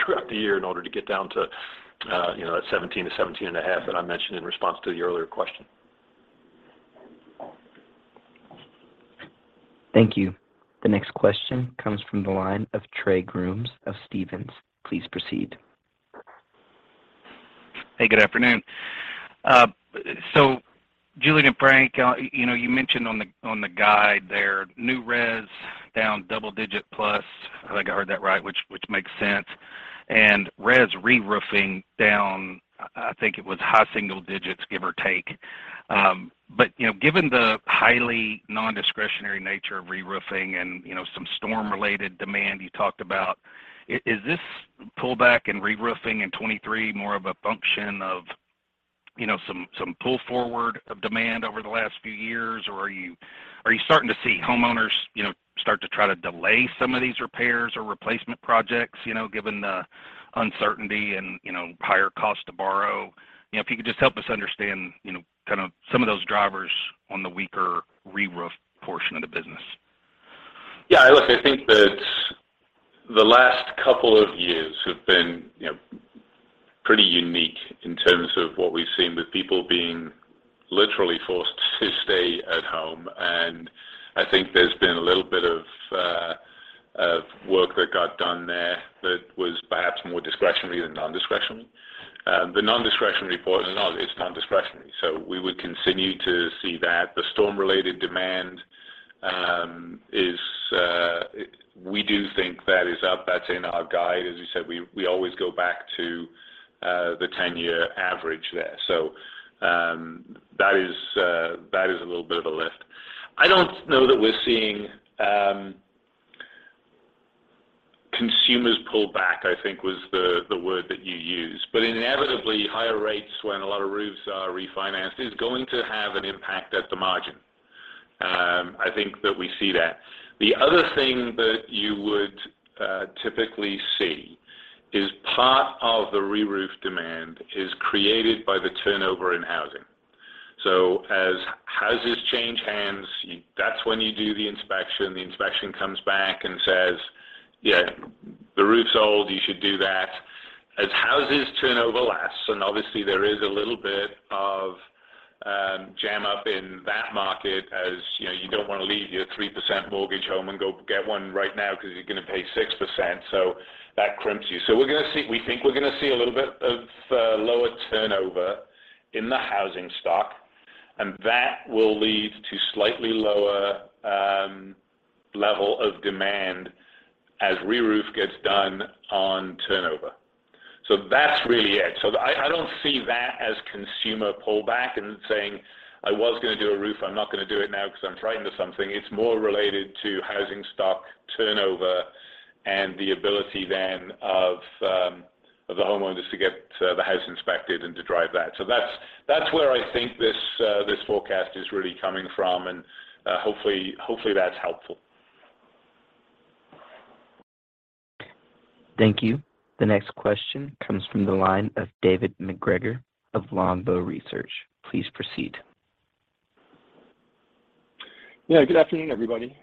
throughout the year in order to get down to, you know, that 17-17.5 that I mentioned in response to your earlier question. Thank you. The next question comes from the line of Trey Grooms of Stephens. Please proceed. Hey, good afternoon. Julian and Frank, you know, you mentioned on the, on the guide there, new RES down double-digit plus, I think I heard that right, which makes sense. RES reroofing down, I think it was high single digits, give or take. You know, given the highly non-discretionary nature of reroofing and, you know, some storm-related demand you talked about, is this pullback in reroofing in 23 more of a function of, you know, some pull forward of demand over the last few years, or are you, are you starting to see homeowners, you know, start to try to delay some of these repairs or replacement projects, you know, given the uncertainty and, you know, higher cost to borrow? You know, if you could just help us understand, you know, kind of some of those drivers on the weaker reroof portion of the business. Yeah, look, I think that the last couple of years have been, you know, pretty unique in terms of what we've seen with people being literally forced to stay at home. I think there's been a little bit of work that got done there that was perhaps more discretionary than nondiscretionary. The nondiscretionary portion of it is nondiscretionary. We would continue to see that. The storm-related demand is, we do think that is up. That's in our guide. As you said, we always go back to the 10-year average there. That is a little bit of a lift. I don't know that we're seeing consumers pull back, I think was the word that you used. Inevitably, higher rates when a lot of roofs are refinanced is going to have an impact at the margin. I think that we see that. The other thing that you would typically see is part of the reroof demand is created by the turnover in housing. As houses change hands, that's when you do the inspection. The inspection comes back and says, "Yeah, the roof's old, you should do that." Obviously there is a little bit of jam up in that market as, you know, you don't wanna leave your 3% mortgage home and go get one right now because you're gonna pay 6%, so that crimps you. We think we're gonna see a little bit of lower turnover in the housing stock, and that will lead to slightly lower level of demand as reroof gets done on turnover. That's really it. I don't see that as consumer pullback and saying, "I was gonna do a roof, I'm not gonna do it now because I'm frightened of something." It's more related to housing stock turnover and the ability then of the homeowners to get the house inspected and to drive that. That's where I think this forecast is really coming from, and hopefully, that's helpful. Thank you. The next question comes from the line of David MacGregor of Longbow Research. Please proceed. Yeah, good afternoon, everybody.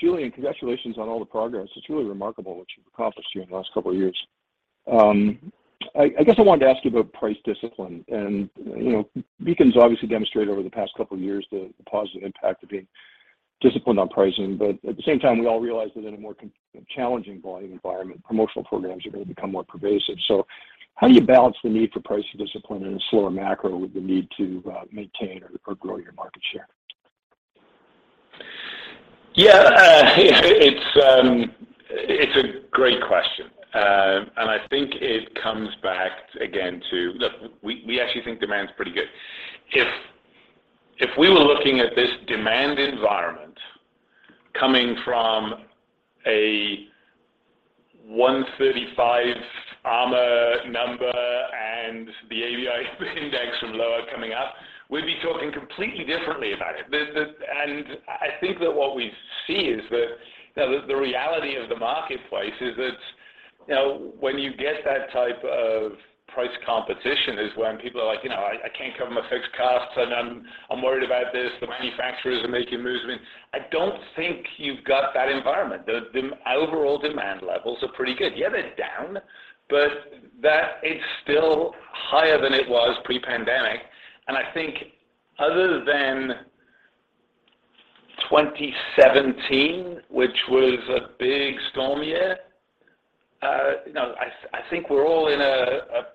Julian, congratulations on all the progress. It's really remarkable what you've accomplished here in the last two years. I guess I wanted to ask you about price discipline. You know, Beacon's obviously demonstrated over the past two years the positive impact of being disciplined on pricing. At the same time, we all realize that in a more challenging volume environment, promotional programs are gonna become more pervasive. How do you balance the need for price discipline in a slower macro with the need to maintain or grow your market share? Yeah, it's a great question. I think it comes back again to. Look, we actually think demand's pretty good. If we were looking at this demand environment coming from a 135 ARMA number and the ABI index from lower coming up, we'd be talking completely differently about it. The. I think that what we see is that, you know, the reality of the marketplace is that, you know, when you get that type of price competition is when people are like, "You know, I can't cover my fixed costs, and I'm worried about this. The manufacturers are making moves." I mean, I don't think you've got that environment. The overall demand levels are pretty good. Yeah, they're down, but that is still higher than it was pre-pandemic. I think other than 2017, which was a big storm year, you know, I think we're all in a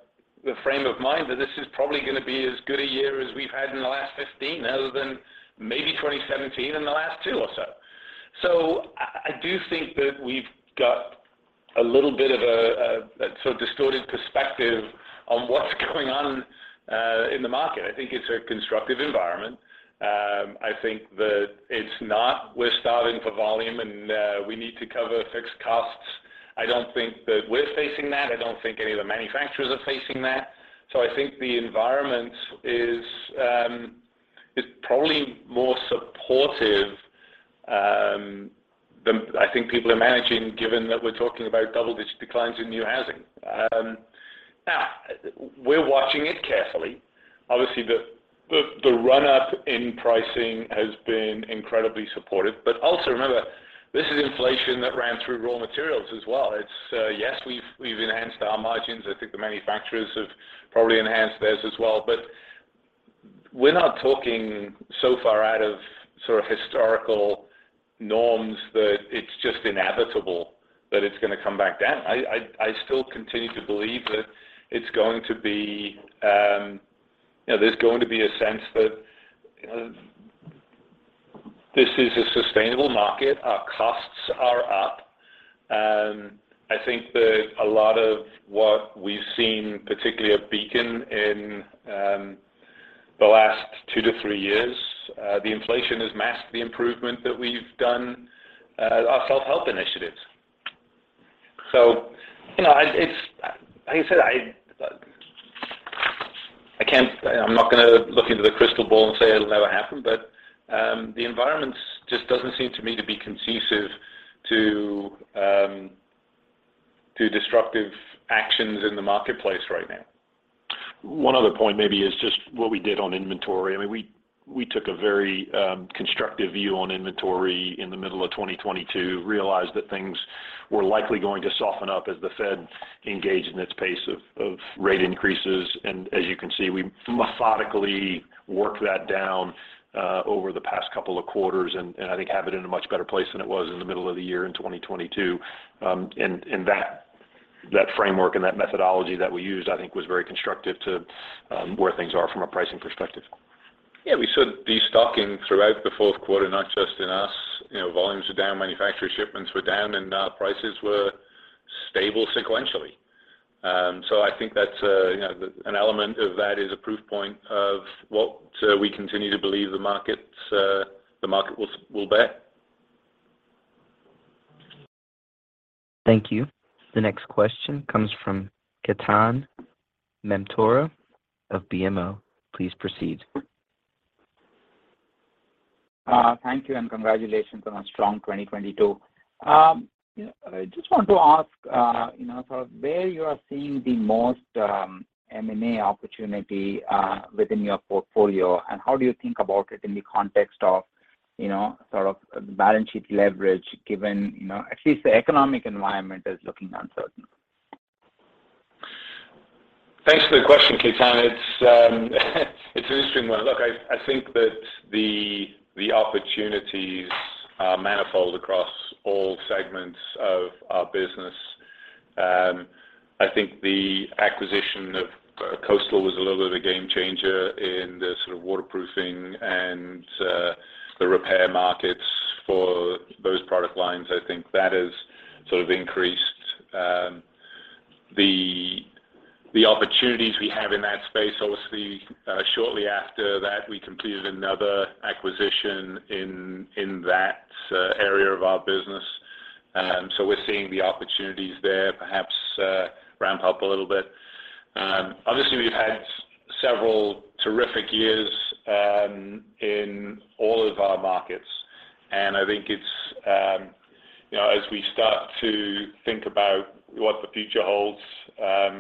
frame of mind that this is probably going to be as good a year as we've had in the last 15, other than maybe 2017 and the last two or so. I do think that we've got a little bit of a sort of distorted perspective on what's going on in the market. I think it's a constructive environment. I think that it's not we're starving for volume and we need to cover fixed costs. I don't think that we're facing that. I don't think any of the manufacturers are facing that. I think the environment is probably more supportive than I think people are managing, given that we're talking about double-digit declines in new housing. Now we're watching it carefully. Obviously, the run-up in pricing has been incredibly supportive. Also remember, this is inflation that ran through raw materials as well. It's, yes, we've enhanced our margins. I think the manufacturers have probably enhanced theirs as well. We're not talking so far out of sort of historical norms that it's just inevitable that it's gonna come back down. I still continue to believe that it's going to be, you know, there's going to be a sense that this is a sustainable market. Our costs are up. I think that a lot of what we've seen, particularly at Beacon in the last two to three years, the inflation has masked the improvement that we've done, our self-help initiatives. You know, like I said, I'm not gonna look into the crystal ball and say it'll never happen, but, the environment just doesn't seem to me to be conducive to destructive actions in the marketplace right now. One other point maybe is just what we did on inventory. I mean, we took a very constructive view on inventory in the middle of 2022, realized that things were likely going to soften up as the Fed engaged in its pace of rate increases. As you can see, we methodically worked that down over the past couple of quarters, and I think have it in a much better place than it was in the middle of the year in 2022. That framework and that methodology that we used, I think was very constructive to where things are from a pricing perspective. Yeah. We saw destocking throughout the Q4, not just in us. You know, volumes were down, manufacturer shipments were down, and prices were stable sequentially. I think that's, you know, an element of that is a proof point of what we continue to believe the markets, the market will bear. Thank you. The next question comes from Ketan Mamtora of BMO. Please proceed. Thank you, and congratulations on a strong 2022. I just want to ask, sort of where you are seeing the most M&A opportunity within your portfolio, and how do you think about it in the context of sort of balance sheet leverage, given at least the economic environment is looking uncertain? Thanks for the question, Ketan. It's, it's an interesting one. Look, I think that the opportunities are manifold across all segments of our business. I think the acquisition of Coastal was a little bit of a game changer in the sort of waterproofing and the repair markets for those product lines. I think that has sort of increased the opportunities we have in that space. Obviously, shortly after that, we completed another acquisition in that area of our business. We're seeing the opportunities there perhaps ramp up a little bit. Obviously, we've had several terrific years in all of our markets, I think it's, you know, as we start to think about what the future holds,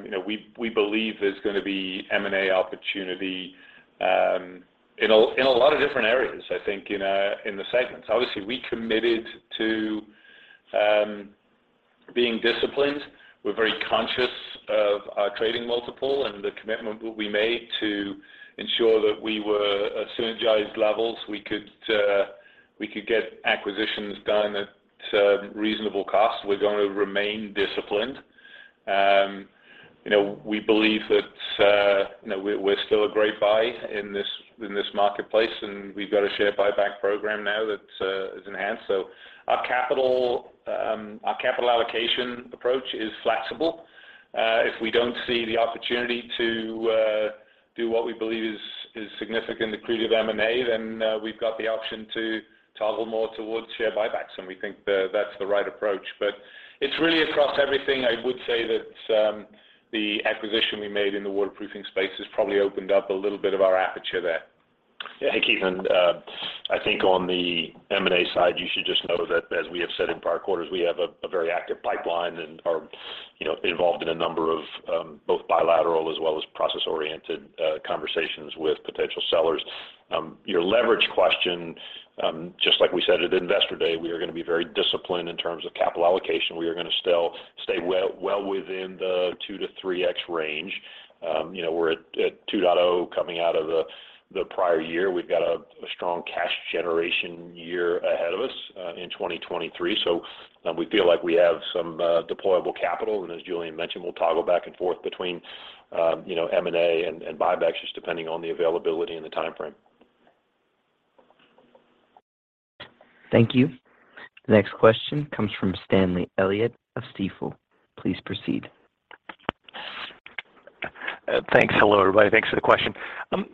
you know, we believe there's gonna be M&A opportunity in a, in a lot of different areas, I think in the segments. Obviously, we committed to being disciplined. We're very conscious of our trading multiple and the commitment that we made to ensure that we were at synergized levels. We could, we could get acquisitions done at reasonable cost. We're gonna remain disciplined. You know, we believe that, you know, we're still a great buy in this, in this marketplace, and we've got a share buyback program now that is enhanced. Our capital, our capital allocation approach is flexible. If we don't see the opportunity to do what we believe is significant accretive M&A, we've got the option to toggle more towards share buybacks, and we think that's the right approach. It's really across everything. I would say that, the acquisition we made in the waterproofing space has probably opened up a little bit of our aperture there. Yeah. Hey, Ketan. I think on the M&A side, you should just know that as we have said in prior quarters, we have a very active pipeline and are, you know, involved in a number of both bilateral as well as process-oriented conversations with potential sellers. Your leverage question, just like we said at Investor Day, we are gonna be very disciplined in terms of capital allocation. We are gonna still stay well within the 2x-3x range. You know, we're at 2.0 coming out of the prior year. We've got a strong cash generation year ahead of us in 2023. We feel like we have some deployable capital, and as Julian mentioned, we'll toggle back and forth between, you know, M&A and buybacks just depending on the availability and the timeframe. Thank you. The next question comes from Stanley Elliott of Stifel. Please proceed. Thanks. Hello, everybody. Thanks for the question. Can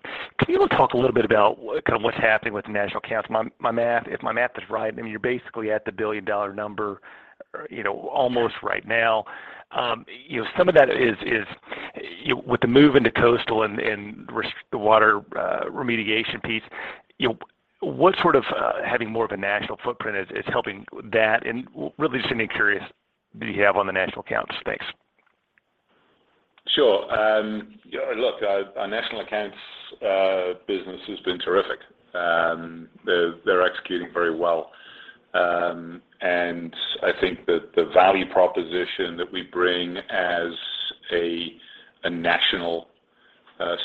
you talk a little bit about kind of what's happening with national accounts? My math if my math is right, I mean, you're basically at the $1 billion number, you know, almost right now. You know, some of that is, you know, with the move into Coastal and the water remediation piece, you know, what sort of, having more of a national footprint is helping that? Really just anything curious do you have on the national accounts. Thanks. Sure. you know, look, our national accounts business has been terrific. They're executing very well. I think that the value proposition that we bring as a national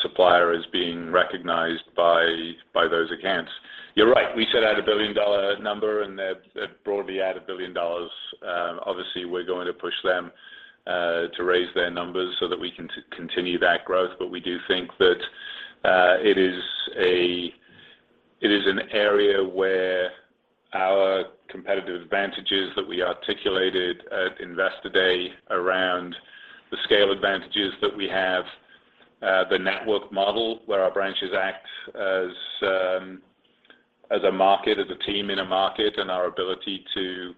supplier is being recognized by those accounts. You're right. We set out a billion-dollar number, and they're broadly at $1 billion. Obviously, we're going to push them to raise their numbers so that we can continue that growth. We do think that it is an area where our competitive advantages that we articulated at Investor Day around the scale advantages that we have, the network model, where our branches act as a market, as a team in a market, and our ability to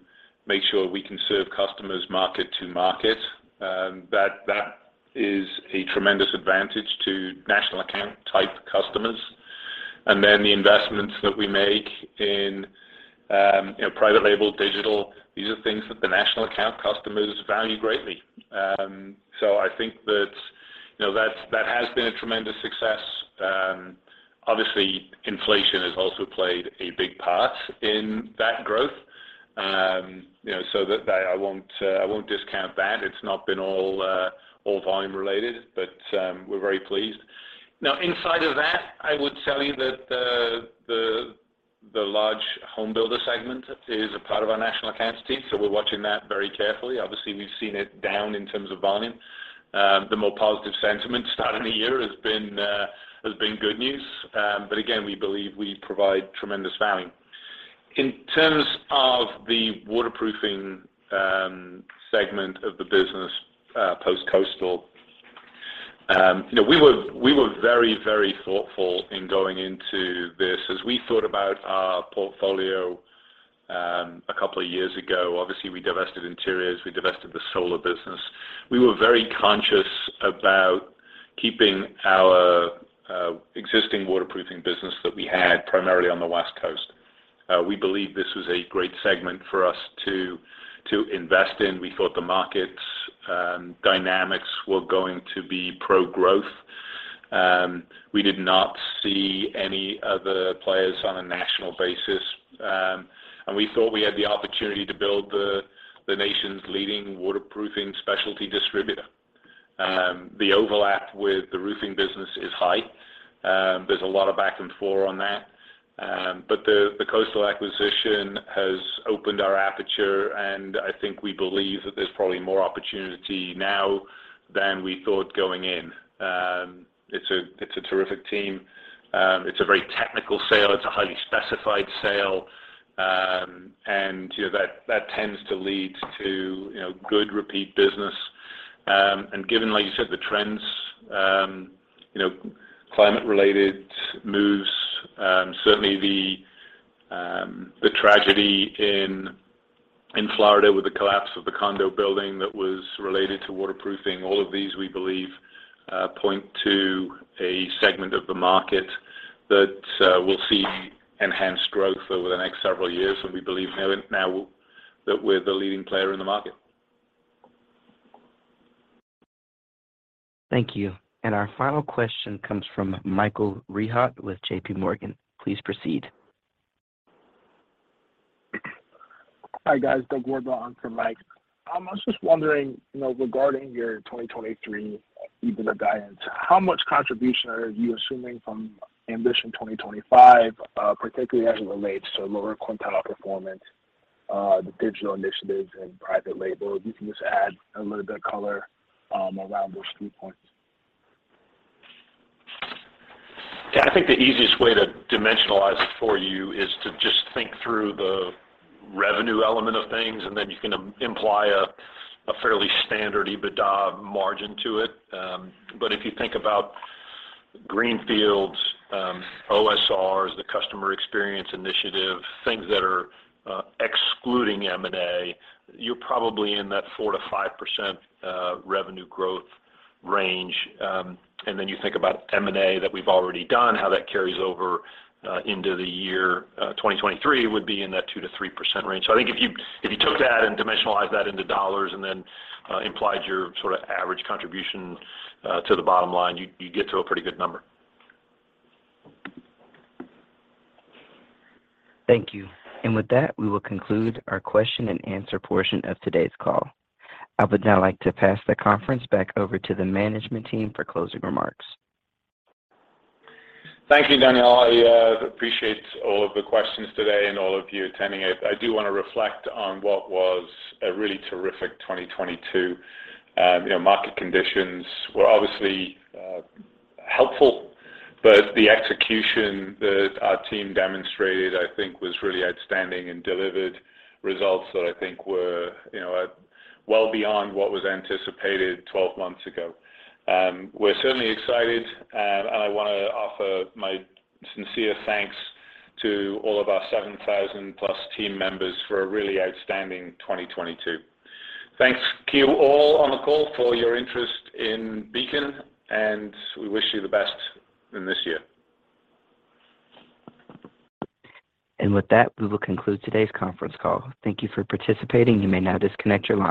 make sure we can serve customers market to market, that is a tremendous advantage to National Account type customers. The investments that we make in, you know, private label, digital, these are things that the National Account customers value greatly. I think that, you know, that has been a tremendous success. Obviously, inflation has also played a big part in that growth. You know, that I won't, I won't discount that. It's not been all volume related, but we're very pleased. Inside of that, I would tell you that the large home builder segment is a part of our national accounts team, so we're watching that very carefully. Obviously, we've seen it down in terms of volume. The more positive sentiment start of the year has been good news. Again, we believe we provide tremendous value. In terms of the waterproofing segment of the business, post-Coastal, you know, we were very thoughtful in going into this. As we thought about our portfolio, a couple of years ago, obviously, we divested interiors, we divested the solar business. We were very conscious about keeping our existing waterproofing business that we had primarily on the West Coast. We believe this was a great segment for us to invest in. We thought the market's dynamics were going to be pro-growth. We did not see any other players on a national basis. We thought we had the opportunity to build the nation's leading waterproofing specialty distributor. The overlap with the roofing business is high. There's a lot of back and forth on that. The Coastal acquisition has opened our aperture, and I think we believe that there's probably more opportunity now than we thought going in. It's a terrific team. It's a very technical sale. It's a highly specified sale. You know, that tends to lead to, you know, good repeat business. Given, like you said, the trends, you know, climate related moves, certainly the tragedy in Florida with the collapse of the condo building that was related to waterproofing, all of these, we believe, point to a segment of the market that we'll see enhanced growth over the next several years. We believe now that we're the leading player in the market. Thank you. Our final question comes from Michael Rehaut with JPMorgan. Please proceed. Hi, guys. Doug Gordon on for Mike. I'm just wondering, regarding your 2023 EBITDA guidance, how much contribution are you assuming from Ambition 2025, particularly as it relates to lower quintile performance, the digital initiatives and private label? If you can just add a little bit of color around those three points. Yeah. I think the easiest way to dimensionalize it for you is to just think through the revenue element of things, then you can imply a fairly standard EBITDA margin to it. If you think about greenfields, OSRs, the customer experience initiative, things that are excluding M&A, you're probably in that 4%-5% revenue growth range. Then you think about M&A that we've already done, how that carries over into the year 2023 would be in that 2%-3% range. I think if you took that and dimensionalize that into dollars then implied your sort of average contribution to the bottom line, you'd get to a pretty good number. Thank you. With that, we will conclude our Q&A portion of today's call. I would now like to pass the conference back over to the management team for closing remarks. Thank you, Daniel. I appreciate all of the questions today and all of you attending it. I do wanna reflect on what was a really terrific 2022. You know, market conditions were obviously helpful, but the execution that our team demonstrated, I think was really outstanding and delivered results that I think were, you know, well beyond what was anticipated 12 months ago. We're certainly excited, and I wanna offer my sincere thanks to all of our 7,000+ team members for a really outstanding 2022. Thanks to you all on the call for your interest in Beacon, we wish you the best in this year. With that, we will conclude today's conference call. Thank you for participating. You may now disconnect your line.